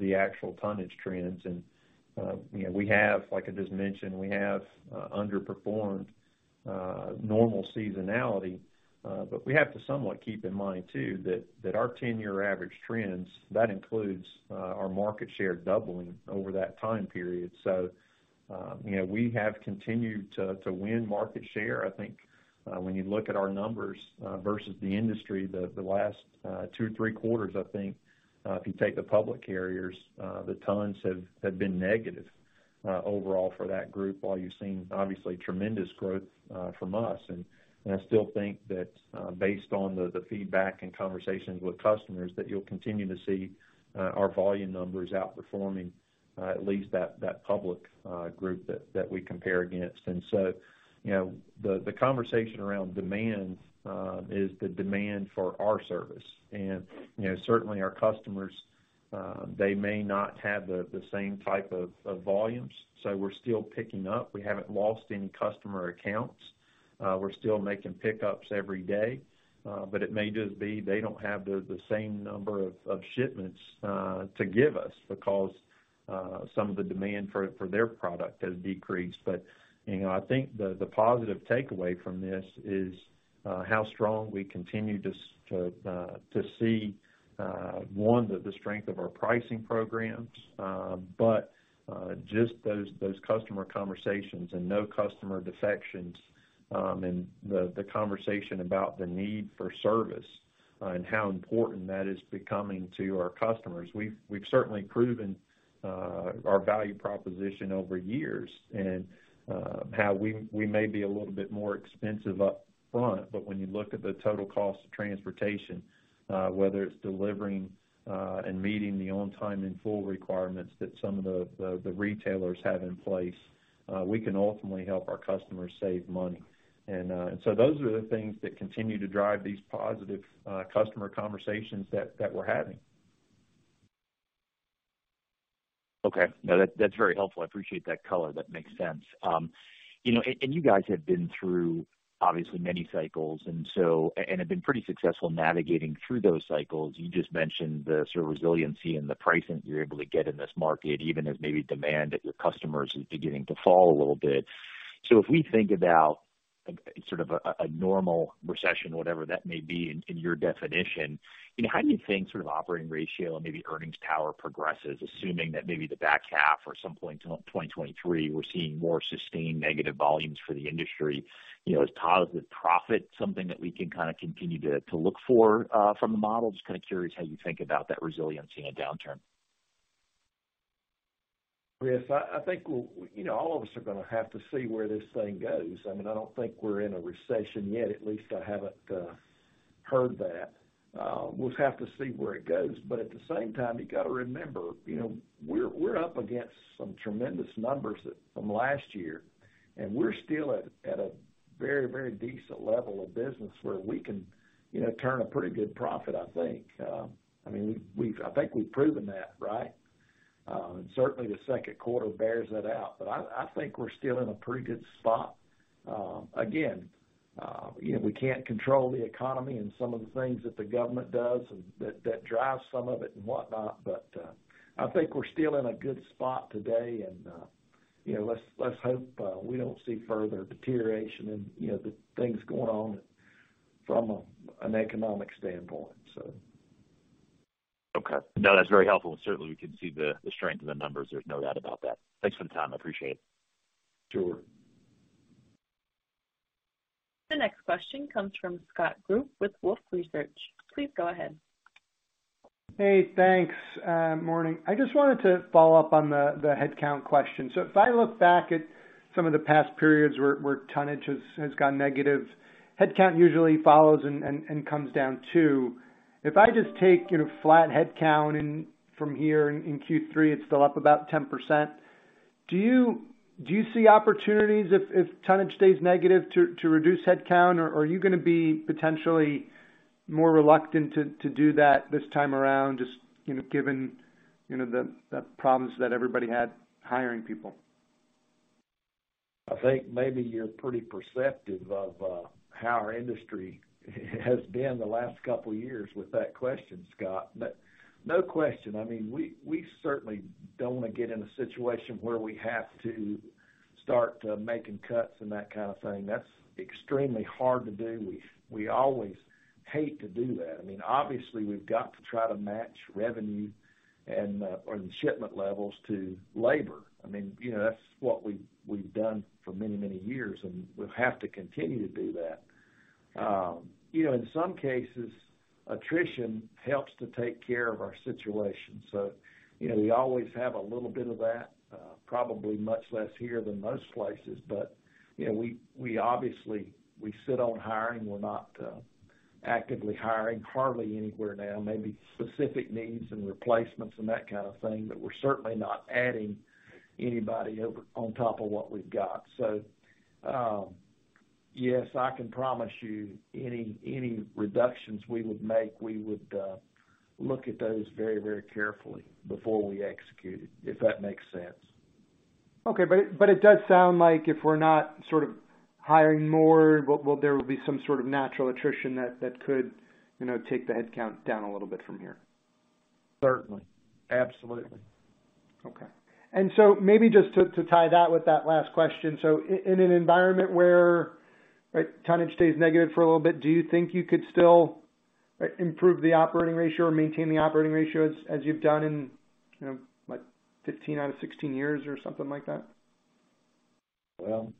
the actual tonnage trends. You know, we have, like I just mentioned, we have underperformed normal seasonality, but we have to somewhat keep in mind too that our 10-year average trends, that includes our market share doubling over that time period. You know, we have continued to win market share. I think, when you look at our numbers, versus the industry, the last two or three quarters, I think, if you take the public carriers, the tons have been negative, overall for that group while you've seen obviously tremendous growth, from us. I still think that, based on the feedback and conversations with customers, that you'll continue to see, our volume numbers outperforming, at least that public group that we compare against. You know, the conversation around demand, is the demand for our service. You know, certainly our customers, they may not have the same type of volumes, so we're still picking up. We haven't lost any customer accounts. We're still making pickups every day. It may just be they don't have the same number of shipments to give us because some of the demand for their product has decreased. You know, I think the positive takeaway from this is how strong we continue to see the strength of our pricing programs, but just those customer conversations and no customer defections, and the conversation about the need for service and how important that is becoming to our customers. We've certainly proven our value proposition over years and how we may be a little bit more expensive up front, but when you look at the total cost of transportation, whether it's delivering and meeting the on time and full requirements that some of the retailers have in place, we can ultimately help our customers save money. Those are the things that continue to drive these positive customer conversations that we're having. Okay. No, that's very helpful. I appreciate that color. That makes sense. You know, and you guys have been through obviously many cycles and so, and have been pretty successful navigating through those cycles. You just mentioned the sort of resiliency and the pricing that you're able to get in this market, even as maybe demand at your customers is beginning to fall a little bit. If we think about, like, sort of a normal recession, whatever that may be in your definition, you know, how do you think sort of operating ratio and maybe earnings power progresses, assuming that maybe the back half or some point in 2023, we're seeing more sustained negative volumes for the industry? You know, is positive profit something that we can kinda continue to look for from the model? Just kinda curious how you think about that resiliency and downturn. Chris, I think you know, all of us are gonna have to see where this thing goes. I mean, I don't think we're in a recession yet. At least I haven't heard that. We'll have to see where it goes. At the same time, you gotta remember, you know, we're up against some tremendous numbers that from last year, and we're still at a very decent level of business where we can turn a pretty good profit, I think. I mean, I think we've proven that, right? Certainly the second quarter bears that out. I think we're still in a pretty good spot. Again, you know, we can't control the economy and some of the things that the government does and that drives some of it and whatnot. I think we're still in a good spot today and, you know, let's hope we don't see further deterioration and, you know, the things going on from an economic standpoint, so. Okay. No, that's very helpful. Certainly we can see the strength of the numbers. There's no doubt about that. Thanks for the time. I appreciate it. Sure. The next question comes from Scott Group with Wolfe Research. Please go ahead. Hey, thanks. Morning. I just wanted to follow up on the headcount question. If I look back at some of the past periods where tonnage has gone negative, headcount usually follows and comes down too. If I just take, you know, flat headcount from here in Q3, it's still up about 10%. Do you see opportunities if tonnage stays negative to reduce headcount? Or are you gonna be potentially more reluctant to do that this time around, just, you know, given, you know, the problems that everybody had hiring people? I think maybe you're pretty perceptive of how our industry has been the last couple years with that question, Scott. No question, I mean, we certainly don't want to get in a situation where we have to start making cuts and that kind of thing. That's extremely hard to do. We always hate to do that. I mean, obviously, we've got to try to match revenue or the shipment levels to labor. I mean, you know, that's what we've done for many, many years, and we'll have to continue to do that. You know, in some cases, attrition helps to take care of our situation. You know, we always have a little bit of that, probably much less here than most places. You know, we obviously sit on hiring. We're not actively hiring hardly anywhere now. Maybe specific needs and replacements and that kind of thing, but we're certainly not adding anybody over on top of what we've got. Yes, I can promise you any reductions we would make, we would look at those very, very carefully before we execute it, if that makes sense. Okay. It does sound like if we're not sort of hiring more, well, there will be some sort of natural attrition that could, you know, take the headcount down a little bit from here. Certainly. Absolutely. Okay. Maybe just to tie that with that last question. In an environment where tonnage stays negative for a little bit, do you think you could still improve the operating ratio or maintain the operating ratio as you've done in, you know, what, 15 out of 16 years or something like that? Well,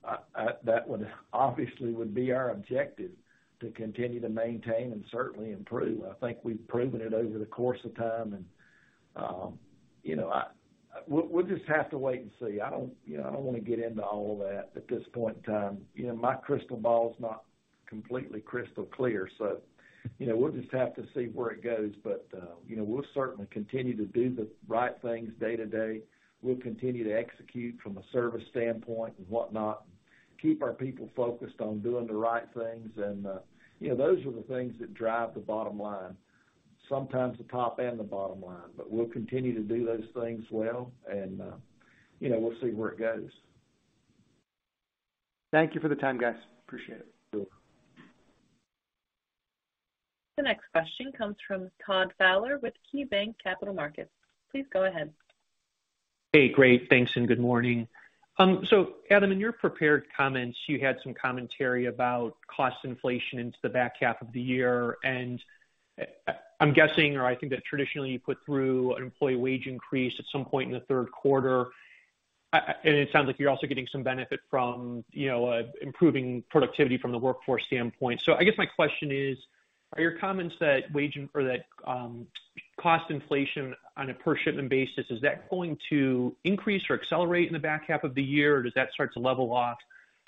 that would obviously be our objective to continue to maintain and certainly improve. I think we've proven it over the course of time. You know, we'll just have to wait and see. I don't, you know, I don't want to get into all of that at this point in time. You know, my crystal ball is not completely crystal clear, so, you know, we'll just have to see where it goes. You know, we'll certainly continue to do the right things day to day. We'll continue to execute from a service standpoint and whatnot, keep our people focused on doing the right things. You know, those are the things that drive the bottom line, sometimes the top and the bottom line. We'll continue to do those things well, and, you know, we'll see where it goes. Thank you for the time, guys. Appreciate it. Sure. The next question comes from Todd Fowler with KeyBank Capital Markets. Please go ahead. Hey. Great. Thanks, and good morning. Adam, in your prepared comments, you had some commentary about cost inflation into the back half of the year. I'm guessing, or I think that traditionally you put through an employee wage increase at some point in the third quarter. It sounds like you're also getting some benefit from improving productivity from the workforce standpoint. I guess my question is, are your comments that cost inflation on a per shipment basis going to increase or accelerate in the back half of the year, or does that start to level off?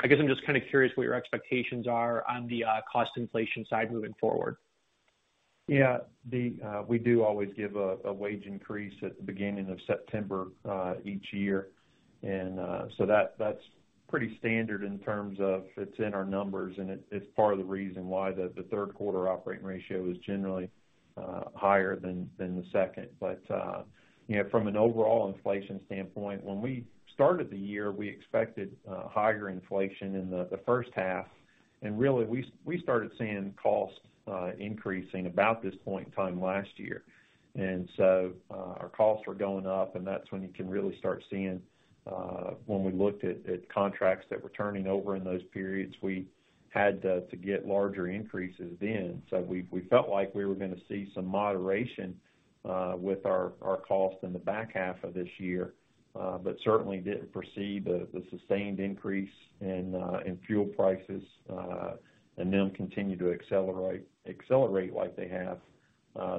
I'm just kind of curious what your expectations are on the cost inflation side moving forward. Yeah. We do always give a wage increase at the beginning of September each year. That's pretty standard in terms of it's in our numbers, and it's part of the reason why the third quarter operating ratio is generally higher than the second. You know, from an overall inflation standpoint, when we started the year, we expected higher inflation in the first half. Really, we started seeing costs increasing about this point in time last year. Our costs were going up, and that's when you can really start seeing when we looked at contracts that were turning over in those periods, we had to get larger increases then. We felt like we were gonna see some moderation with our cost in the back half of this year, but certainly didn't foresee the sustained increase in fuel prices and them continue to accelerate like they have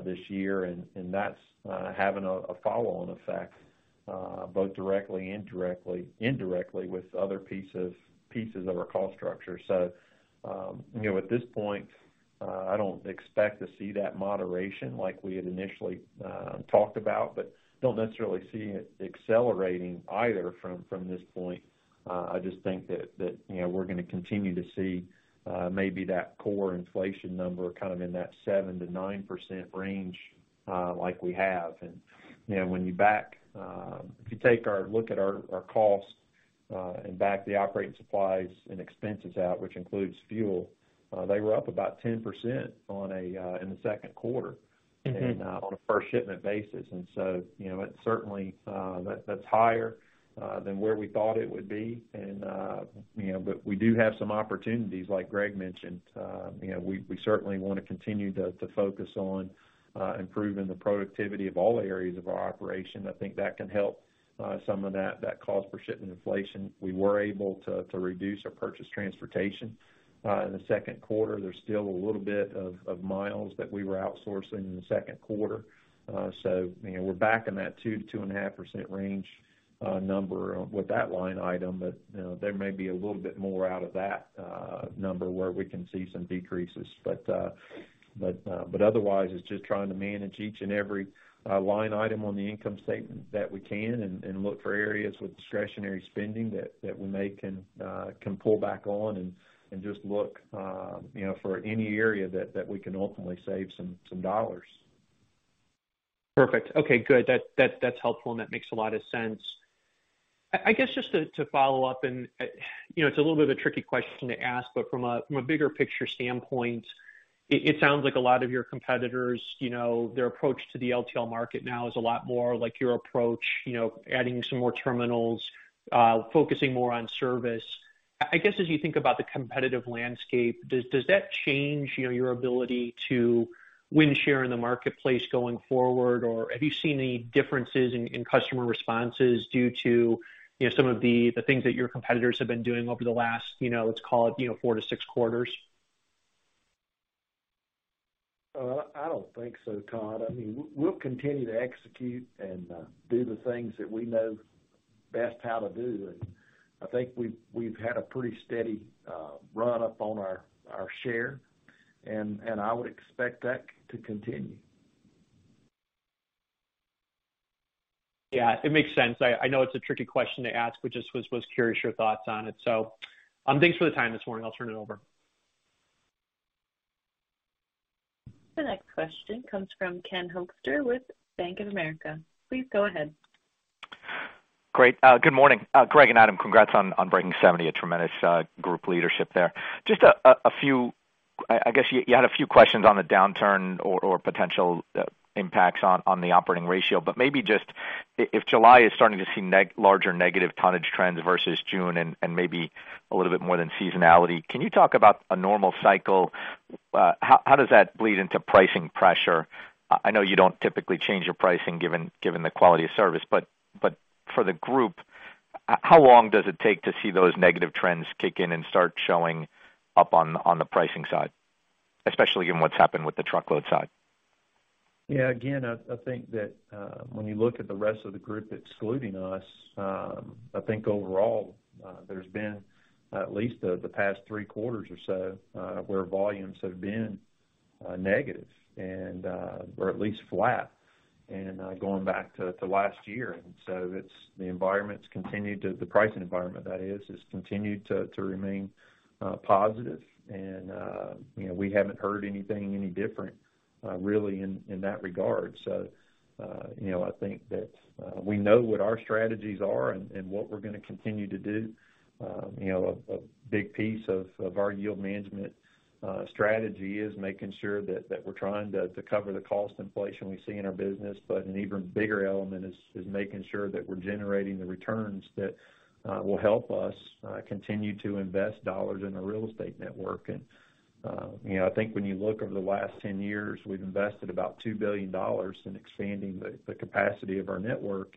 this year. That's having a follow-on effect both directly and indirectly with other pieces of our cost structure. You know, at this point I don't expect to see that moderation like we had initially talked about, but don't necessarily see it accelerating either from this point. I just think that you know, we're gonna continue to see maybe that core inflation number kind of in that 7%-9% range like we have. You know, when you take a look at our cost and back out the operating supplies and expenses, which includes fuel, they were up about 10% in the second quarter on a per shipment basis. You know, it's certainly higher than where we thought it would be. You know, but we do have some opportunities, like Greg mentioned. You know, we certainly wanna continue to focus on improving the productivity of all areas of our operation. I think that can help some of that cost per shipment inflation. We were able to reduce our purchased transportation in the second quarter. There's still a little bit of miles that we were outsourcing in the second quarter. You know, we're back in that 2%-2.5% range, number with that line item. You know, there may be a little bit more out of that number where we can see some decreases. Otherwise, it's just trying to manage each and every line item on the income statement that we can and look for areas with discretionary spending that we can pull back on and just look, you know, for any area that we can ultimately save some dollars. Perfect. Okay, good. That's helpful, and that makes a lot of sense. I guess just to follow up and, you know, it's a little bit of a tricky question to ask, but from a bigger picture standpoint, it sounds like a lot of your competitors, you know, their approach to the LTL market now is a lot more like your approach, you know, adding some more terminals, focusing more on service. I guess as you think about the competitive landscape, does that change, you know, your ability to win share in the marketplace going forward? Or have you seen any differences in customer responses due to, you know, some of the things that your competitors have been doing over the last, you know, let's call it, you know, four to six quarters? I don't think so, Todd. I mean, we'll continue to execute and do the things that we know best how to do. I think we've had a pretty steady run up on our share, and I would expect that to continue. Yeah, it makes sense. I know it's a tricky question to ask, but just was curious your thoughts on it. Thanks for the time this morning. I'll turn it over. The next question comes from Ken Hoexter with Bank of America. Please go ahead. Great. Good morning. Greg and Adam, congrats on breaking 70. A tremendous group leadership there. Just a few. I guess you had a few questions on the downturn or potential impacts on the operating ratio. Maybe just if July is starting to see larger negative tonnage trends versus June and maybe a little bit more than seasonality, can you talk about a normal cycle? How does that bleed into pricing pressure? I know you don't typically change your pricing given the quality of service, but for the group, how long does it take to see those negative trends kick in and start showing up on the pricing side, especially given what's happened with the truckload side? Yeah, again, I think that when you look at the rest of the group excluding us, I think overall, there's been at least the past three quarters or so where volumes have been negative or at least flat, going back to last year. The pricing environment, that is, has continued to remain positive. You know, we haven't heard anything any different really in that regard. You know, I think that we know what our strategies are and what we're gonna continue to do. You know, a big piece of our yield management strategy is making sure that we're trying to cover the cost inflation we see in our business. An even bigger element is making sure that we're generating the returns that will help us continue to invest dollars in the real estate network. You know, I think when you look over the last 10 years, we've invested about $2 billion in expanding the capacity of our network.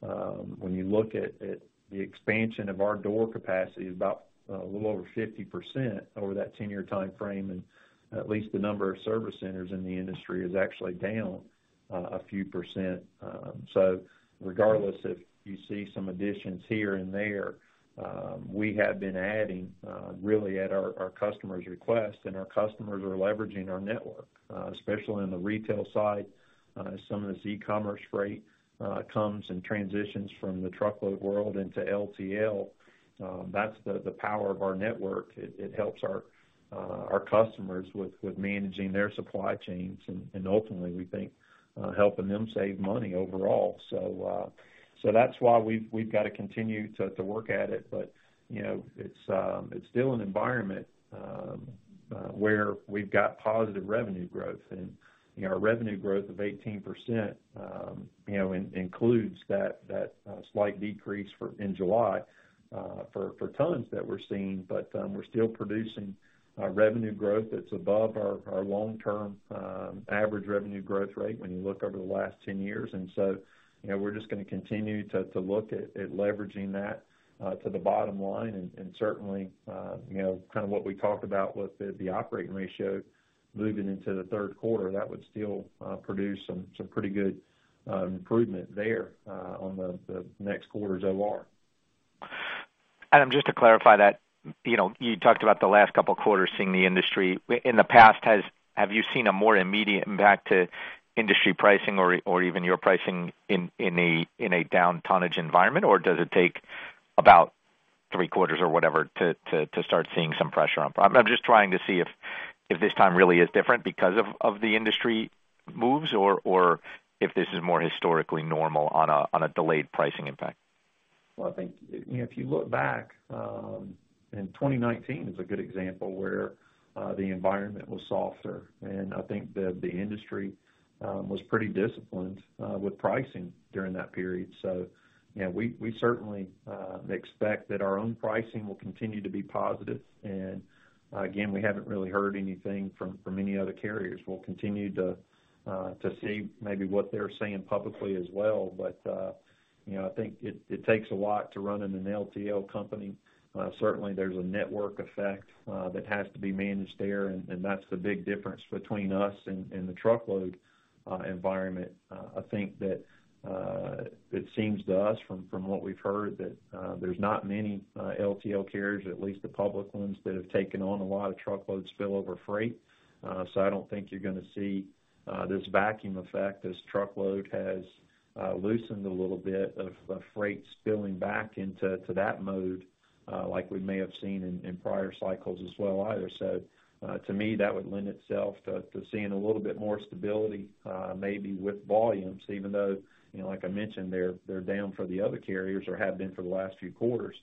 When you look at the expansion of our door capacity is about a little over 50% over that 10-year timeframe, and at least the number of service centers in the industry is actually down a few percent. Regardless if you see some additions here and there, we have been adding really at our customer's request, and our customers are leveraging our network, especially in the retail side. Some of this e-commerce freight comes and transitions from the truckload world into LTL. That's the power of our network. It helps our customers with managing their supply chains and ultimately, we think, helping them save money overall. That's why we've got to continue to work at it. You know, it's still an environment where we've got positive revenue growth. You know, our revenue growth of 18%, you know, includes that slight decrease in July for tons that we're seeing. We're still producing revenue growth that's above our long-term average revenue growth rate when you look over the last 10 years. You know, we're just gonna continue to look at leveraging that to the bottom line. Certainly, you know, kind of what we talked about with the operating ratio moving into the third quarter, that would still produce some pretty good improvement there on the next quarter's OR. Adam, just to clarify that, you know, you talked about the last couple of quarters seeing the industry. In the past, have you seen a more immediate impact to industry pricing or even your pricing in a down tonnage environment? Does it take about three quarters or whatever to start seeing some pressure on price? I'm just trying to see if this time really is different because of the industry moves or if this is more historically normal on a delayed pricing impact. Well, I think, you know, if you look back in 2019 is a good example where the environment was softer. I think the industry was pretty disciplined with pricing during that period. You know, we certainly expect that our own pricing will continue to be positive. Again, we haven't really heard anything from any other carriers. We'll continue to see maybe what they're saying publicly as well. You know, I think it takes a lot to run in an LTL company. Certainly there's a network effect that has to be managed there, and that's the big difference between us and the truckload environment. I think that it seems to us from what we've heard that there's not many LTL carriers, at least the public ones, that have taken on a lot of truckload spill over freight. I don't think you're gonna see this vacuum effect as truckload has loosened a little bit of freight spilling back into that mode like we may have seen in prior cycles as well either. To me, that would lend itself to seeing a little bit more stability maybe with volumes, even though, you know, like I mentioned, they're down for the other carriers or have been for the last few quarters.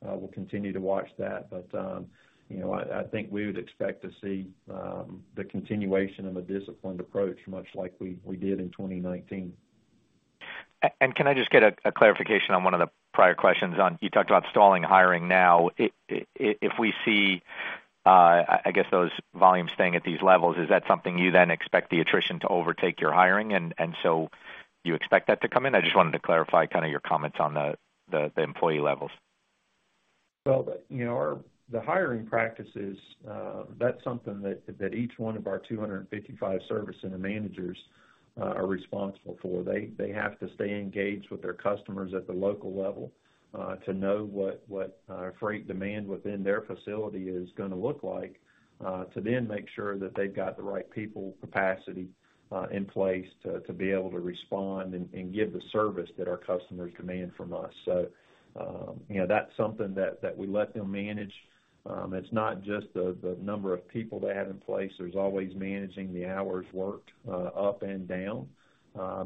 We'll continue to watch that. You know, I think we would expect to see the continuation of a disciplined approach, much like we did in 2019. Can I just get a clarification on one of the prior questions? You talked about stalling hiring now. If we see, I guess, those volumes staying at these levels, is that something you then expect the attrition to overtake your hiring, and so you expect that to come in? I just wanted to clarify kinda your comments on the employee levels. Well, you know, the hiring practices, that's something that each one of our 255 service center managers are responsible for. They have to stay engaged with their customers at the local level, to know what freight demand within their facility is gonna look like, to then make sure that they've got the right people capacity in place to be able to respond and give the service that our customers demand from us. You know, that's something that we let them manage. It's not just the number of people they have in place. There's always managing the hours worked up and down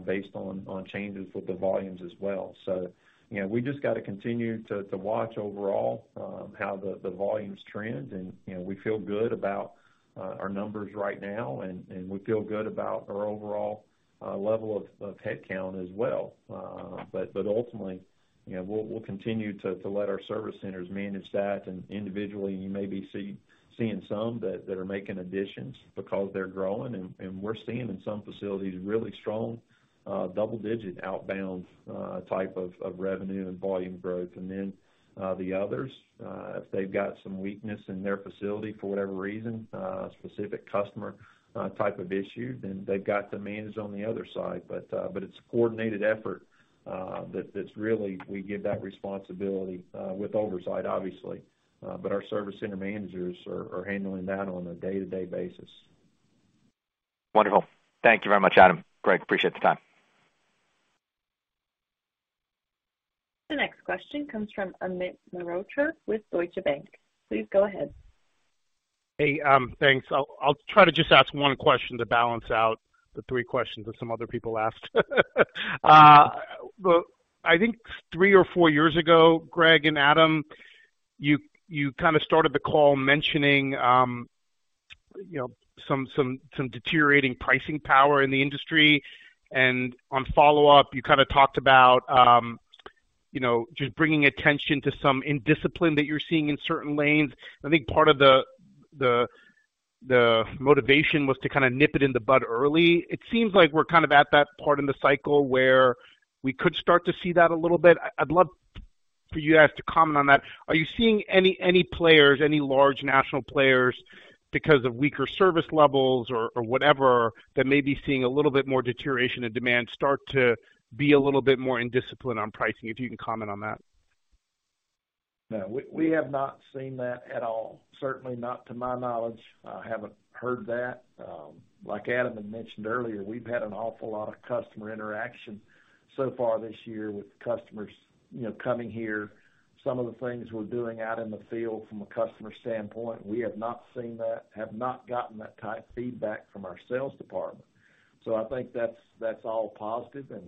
based on changes with the volumes as well. You know, we just got to continue to watch overall how the volumes trend. You know, we feel good about our numbers right now, and we feel good about our overall level of headcount as well. Ultimately, you know, we'll continue to let our service centers manage that. Individually, you may be seeing some that are making additions because they're growing. We're seeing in some facilities really strong double-digit outbound type of revenue and volume growth. Then, the others, if they've got some weakness in their facility for whatever reason, specific customer type of issue, then they've got to manage on the other side. It's a coordinated effort that's really we give that responsibility with oversight, obviously. Our service center managers are handling that on a day-to-day basis. Wonderful. Thank you very much, Adam. Greg, appreciate the time. The next question comes from Amit Mehrotra with Deutsche Bank. Please go ahead. Hey, thanks. I'll try to just ask one question to balance out the three questions that some other people asked. Well, I think three or four years ago, Greg and Adam, you kinda started the call mentioning you know, some deteriorating pricing power in the industry. On follow-up, you kinda talked about you know, just bringing attention to some indiscipline that you're seeing in certain lanes. I think part of the motivation was to kinda nip it in the bud early. It seems like we're kind of at that part in the cycle where we could start to see that a little bit. I'd love for you guys to comment on that. Are you seeing any large national players because of weaker service levels or whatever that may be seeing a little bit more deterioration in demand start to be a little bit more indisciplined on pricing, if you can comment on that? No. We have not seen that at all. Certainly not to my knowledge. I haven't heard that. Like Adam had mentioned earlier, we've had an awful lot of customer interaction so far this year with customers, you know, coming here. Some of the things we're doing out in the field from a customer standpoint, we have not seen that, have not gotten that type of feedback from our sales department. So I think that's all positive. You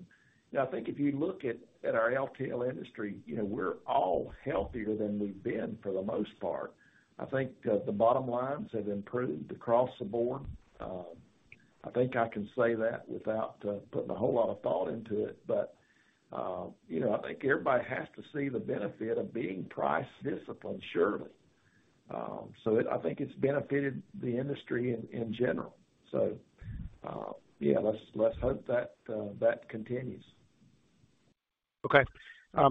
know, I think if you look at our LTL industry, you know, we're all healthier than we've been for the most part. I think the bottom lines have improved across the board. I think I can say that without putting a whole lot of thought into it. You know, I think everybody has to see the benefit of being price disciplined, surely. I think it's benefited the industry in general. Yeah, let's hope that continues. Okay.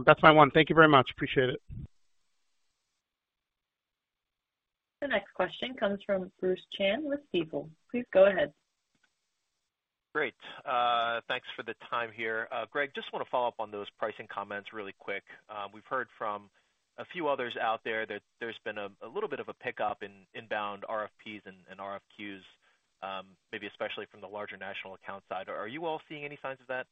That's my one. Thank you very much. Appreciate it. The next question comes from Bruce Chan with Stifel. Please go ahead. Great. Thanks for the time here. Greg, just wanna follow up on those pricing comments really quick. We've heard from a few others out there that there's been a little bit of a pickup in inbound RFP and RFQ, maybe especially from the larger national account side. Are you all seeing any signs of that?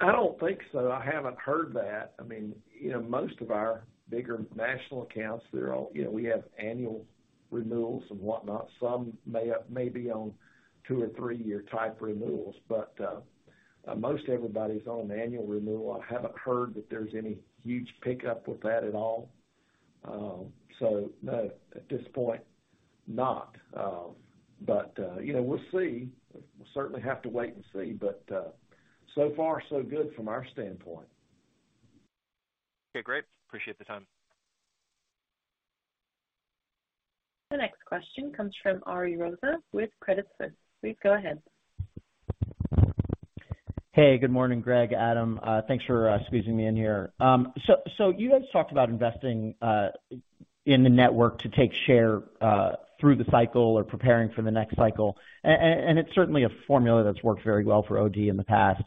I don't think so. I haven't heard that. I mean, you know, most of our bigger national accounts, they're all. You know, we have annual renewals and whatnot. Some may be on two or three-year type renewals, but most everybody's on an annual renewal. I haven't heard that there's any huge pickup with that at all. No, at this point, not. You know, we'll see. We'll certainly have to wait and see. So far, so good from our standpoint. Okay, great. Appreciate the time. The next question comes from Ariel Rosa with Credit Suisse. Please go ahead. Hey, good morning, Greg, Adam. Thanks for squeezing me in here. You guys talked about investing in the network to take share through the cycle or preparing for the next cycle. It's certainly a formula that's worked very well for OD in the past.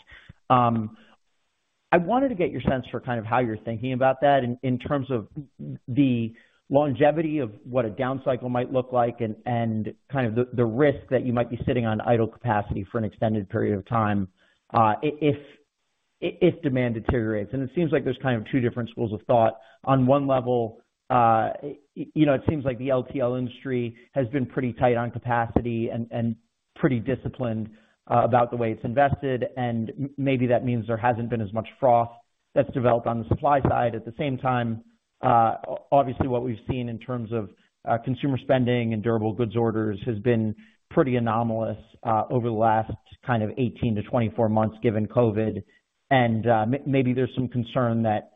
I wanted to get your sense for kind of how you're thinking about that in terms of the longevity of what a down cycle might look like and kind of the risk that you might be sitting on idle capacity for an extended period of time, if demand deteriorates. It seems like there's two different schools of thought. On one level, you know, it seems like the LTL industry has been pretty tight on capacity and pretty disciplined about the way it's invested, and maybe that means there hasn't been as much froth that's developed on the supply side. At the same time, obviously, what we've seen in terms of consumer spending and durable goods orders has been pretty anomalous over the last kind of 18-24 months, given COVID. Maybe there's some concern that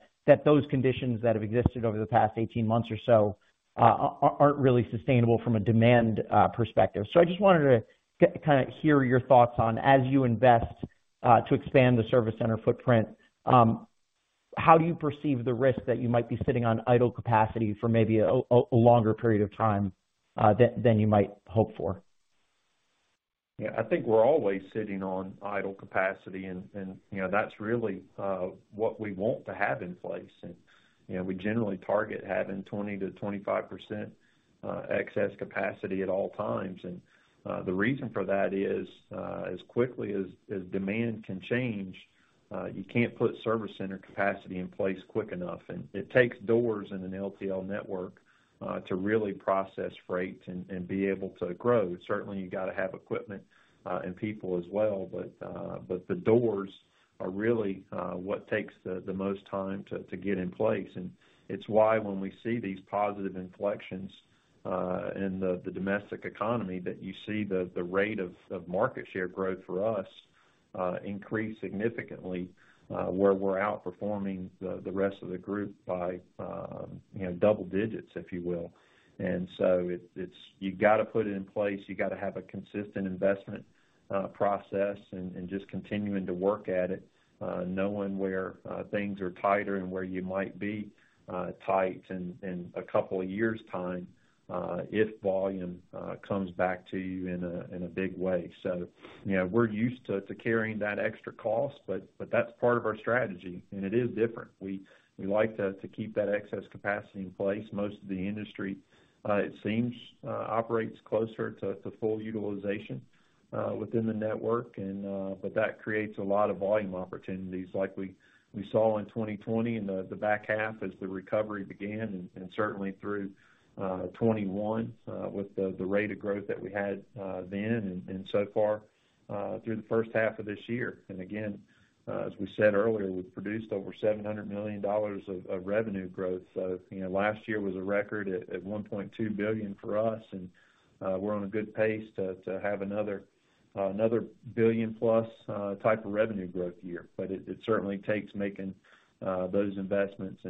those conditions that have existed over the past 18 months or so aren't really sustainable from a demand perspective. I just wanted to kinda hear your thoughts on as you invest to expand the service center footprint, how do you perceive the risk that you might be sitting on idle capacity for maybe a longer period of time than you might hope for? Yeah. I think we're always sitting on idle capacity and, you know, that's really what we want to have in place. You know, we generally target having 20%-25% excess capacity at all times. The reason for that is, as quickly as demand can change, you can't put service center capacity in place quick enough. It takes doors in an LTL network to really process freight and be able to grow. Certainly, you gotta have equipment and people as well, but the doors are really what takes the most time to get in place. It's why when we see these positive inflections in the domestic economy, that you see the rate of market share growth for us increase significantly, where we're outperforming the rest of the group by, you know, double digits, if you will. You gotta put it in place, you gotta have a consistent investment process and just continuing to work at it, knowing where things are tighter and where you might be tight in a couple of years' time, if volume comes back to you in a big way. You know, we're used to carrying that extra cost, but that's part of our strategy, and it is different. We like to keep that excess capacity in place. Most of the industry, it seems, operates closer to full utilization within the network, and that creates a lot of volume opportunities like we saw in 2020 in the back half as the recovery began, and certainly through 2021 with the rate of growth that we had then and so far through the first half of this year. Again, as we said earlier, we've produced over $700 million of revenue growth. You know, last year was a record at $1.2 billion for us, and we're on a good pace to have another $1 billion+ type of revenue growth year. It certainly takes making those investments.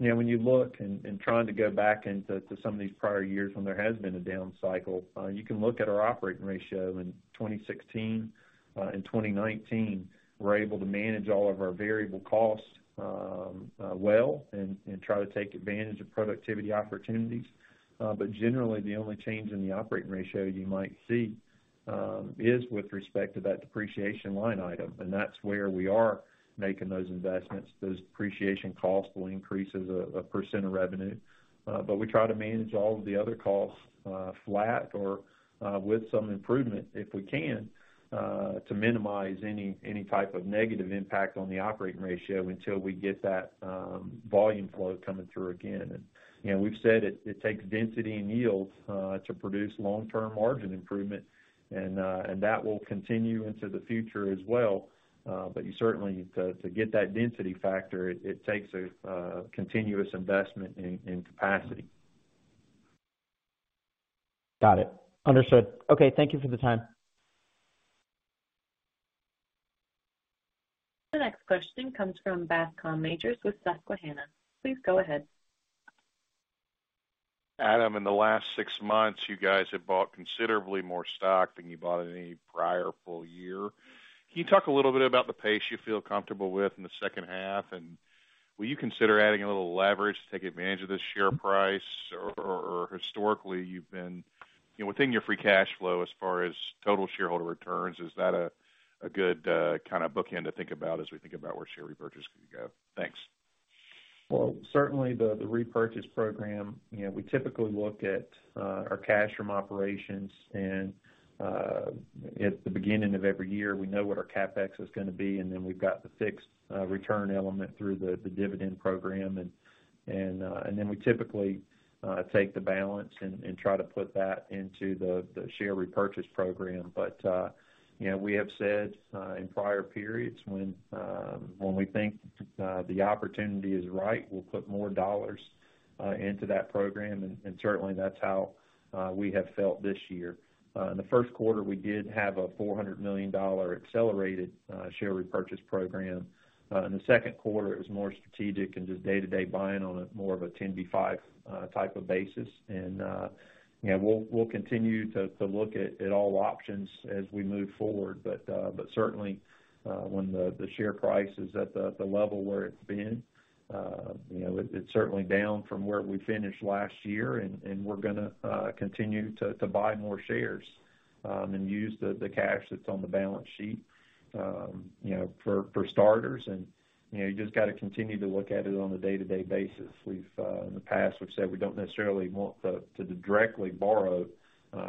You know, when you look and trying to go back into some of these prior years when there has been a down cycle, you can look at our operating ratio in 2016 and 2019. We're able to manage all of our variable costs, well and try to take advantage of productivity opportunities. Generally, the only change in the operating ratio you might see is with respect to that depreciation line item, and that's where we are making those investments. Those depreciation costs will increase as a percent of revenue, but we try to manage all of the other costs flat or with some improvement, if we can, to minimize any type of negative impact on the operating ratio until we get that volume flow coming through again. You know, we've said it takes density and yield to produce long-term margin improvement and that will continue into the future as well. You certainly, to get that density factor, it takes a continuous investment in capacity. Got it. Understood. Okay, thank you for the time. The next question comes from Bascome Majors with Susquehanna. Please go ahead. Adam, in the last six months, you guys have bought considerably more stock than you bought in any prior full year. Can you talk a little bit about the pace you feel comfortable with in the second half and- Will you consider adding a little leverage to take advantage of the share price? Or historically, you've been, you know, within your free cash flow as far as total shareholder returns, is that a good kind of bookend to think about as we think about where share repurchase could go? Thanks. Well, certainly the repurchase program, you know, we typically look at our cash from operations and at the beginning of every year, we know what our CapEx is gonna be, and then we've got the fixed return element through the dividend program. Then we typically take the balance and try to put that into the share repurchase program. You know, we have said in prior periods when we think the opportunity is right, we'll put more dollars into that program, and certainly that's how we have felt this year. In the first quarter, we did have a $400 million accelerated share repurchase program. In the second quarter, it was more strategic and just day-to-day buying on a more of a 10b5-1 type of basis. You know, we'll continue to look at all options as we move forward. Certainly, when the share price is at the level where it's been, you know, it's certainly down from where we finished last year and we're gonna continue to buy more shares and use the cash that's on the balance sheet, you know, for starters. You know, you just gotta continue to look at it on a day-to-day basis. In the past, we've said we don't necessarily want to directly borrow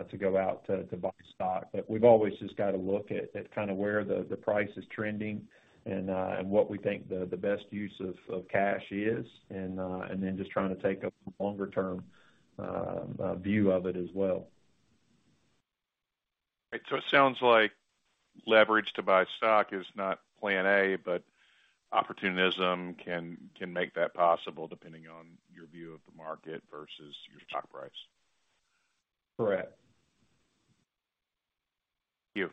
to go out to buy stock, but we've always just got to look at kind of where the price is trending and what we think the best use of cash is, and then just trying to take a longer term view of it as well. It sounds like leverage to buy stock is not plan A, but opportunism can make that possible depending on your view of the market versus your stock price. Correct. Thank you.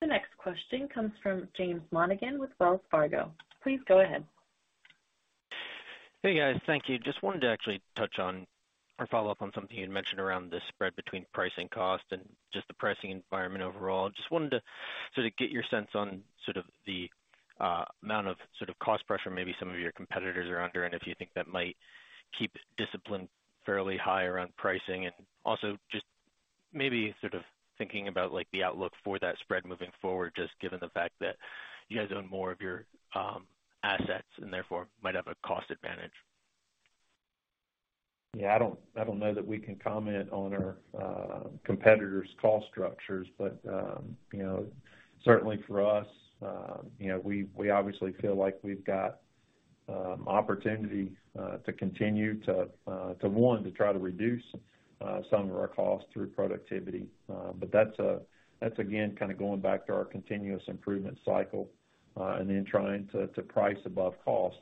The next question comes from James Monigan with Wells Fargo. Please go ahead. Hey, guys. Thank you. Just wanted to actually touch on or follow up on something you'd mentioned around the spread between pricing and cost and just the pricing environment overall. Just wanted to sort of get your sense on sort of the amount of sort of cost pressure maybe some of your competitors are under and if you think that might keep discipline fairly high around pricing. Also just maybe sort of thinking about like the outlook for that spread moving forward, just given the fact that you guys own more of your assets and therefore might have a cost advantage. Yeah, I don't know that we can comment on our competitors' cost structures, but you know, certainly for us, you know, we obviously feel like we've got opportunity to continue to try to reduce some of our costs through productivity. But that's again, kind of going back to our continuous improvement cycle, and then trying to price above cost.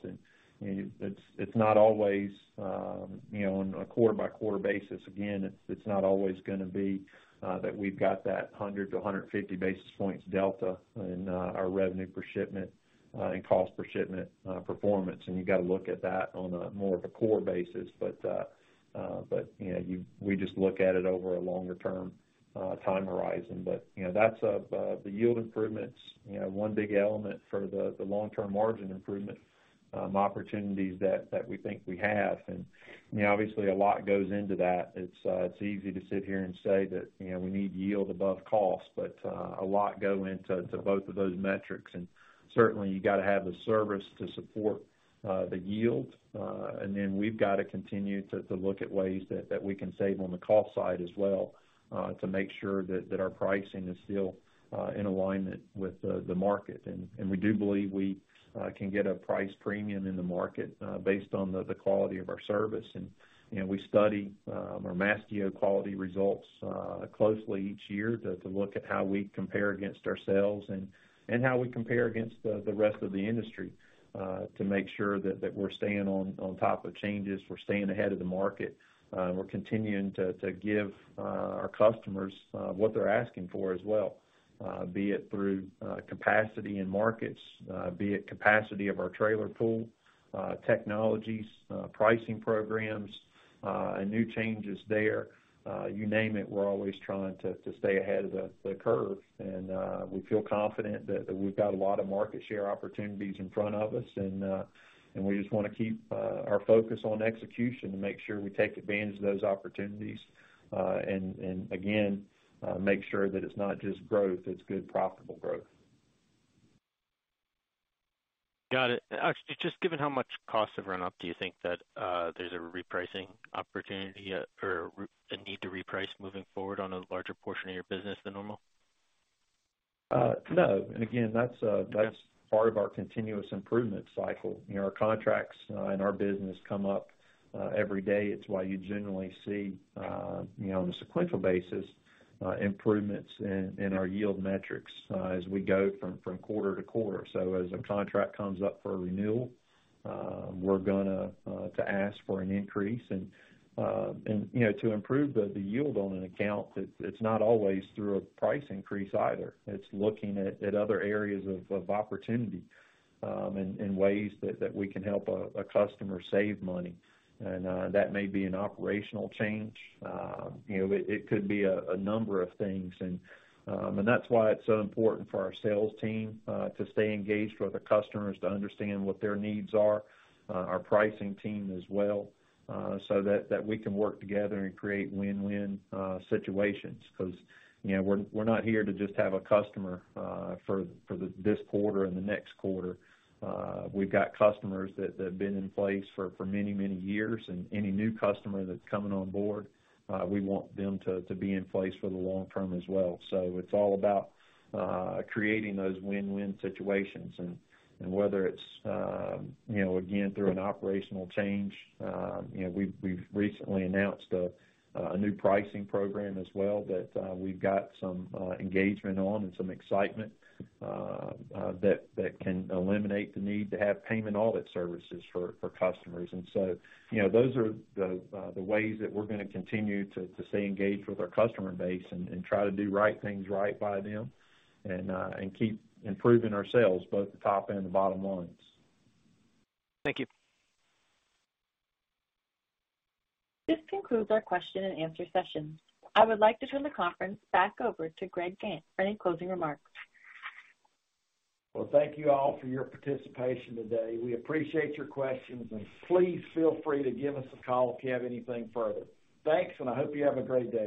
You know, it's not always on a quarter-by-quarter basis, again, it's not always gonna be that we've got that 100-150 basis points delta in our revenue per shipment and cost per shipment performance. You got to look at that on a more of a core basis. We just look at it over a longer term time horizon. You know, that's one of the yield improvements, you know, one big element for the long-term margin improvement opportunities that we think we have. You know, obviously a lot goes into that. It's easy to sit here and say that, you know, we need yield above cost, but a lot go into both of those metrics. Certainly you gotta have the service to support the yield. Then we've got to continue to look at ways that we can save on the cost side as well, to make sure that our pricing is still in alignment with the market. We do believe we can get a price premium in the market, based on the quality of our service. You know, we study our Mastio quality results closely each year to look at how we compare against ourselves and how we compare against the rest of the industry to make sure that we're staying on top of changes, we're staying ahead of the market. We're continuing to give our customers what they're asking for as well, be it through capacity and markets, be it capacity of our trailer pool, technologies, pricing programs, and new changes there. You name it, we're always trying to stay ahead of the curve. We feel confident that we've got a lot of market share opportunities in front of us. We just wanna keep our focus on execution to make sure we take advantage of those opportunities. Make sure that it's not just growth, it's good profitable growth. Got it. Actually, just given how much costs have run up, do you think that, there's a repricing opportunity or a need to reprice moving forward on a larger portion of your business than normal? No. Again, that's part of our continuous improvement cycle. You know, our contracts in our business come up every day. It's why you generally see, you know, on a sequential basis, improvements in our yield metrics, as we go from quarter to quarter. As a contract comes up for renewal, we're gonna ask for an increase. You know, to improve the yield on an account, it's not always through a price increase either. It's looking at other areas of opportunity, and ways that we can help a customer save money. That may be an operational change. You know, it could be a number of things. That's why it's so important for our sales team to stay engaged with our customers to understand what their needs are, our pricing team as well, so that we can work together and create win-win situations. 'Cause, you know, we're not here to just have a customer for this quarter and the next quarter. We've got customers that have been in place for many years, and any new customer that's coming on board, we want them to be in place for the long term as well. It's all about creating those win-win situations. Whether it's, you know, again, through an operational change, you know, we've recently announced a new pricing program as well that we've got some engagement on and some excitement that can eliminate the need to have payment audit services for customers. You know, those are the ways that we're gonna continue to stay engaged with our customer base and try to do right things right by them and keep improving ourselves, both the top and the bottom ones. Thank you. This concludes our question-and-answer session. I would like to turn the conference back over to Greg Gantt for any closing remarks. Well, thank you all for your participation today. We appreciate your questions, and please feel free to give us a call if you have anything further. Thanks, and I hope you have a great day.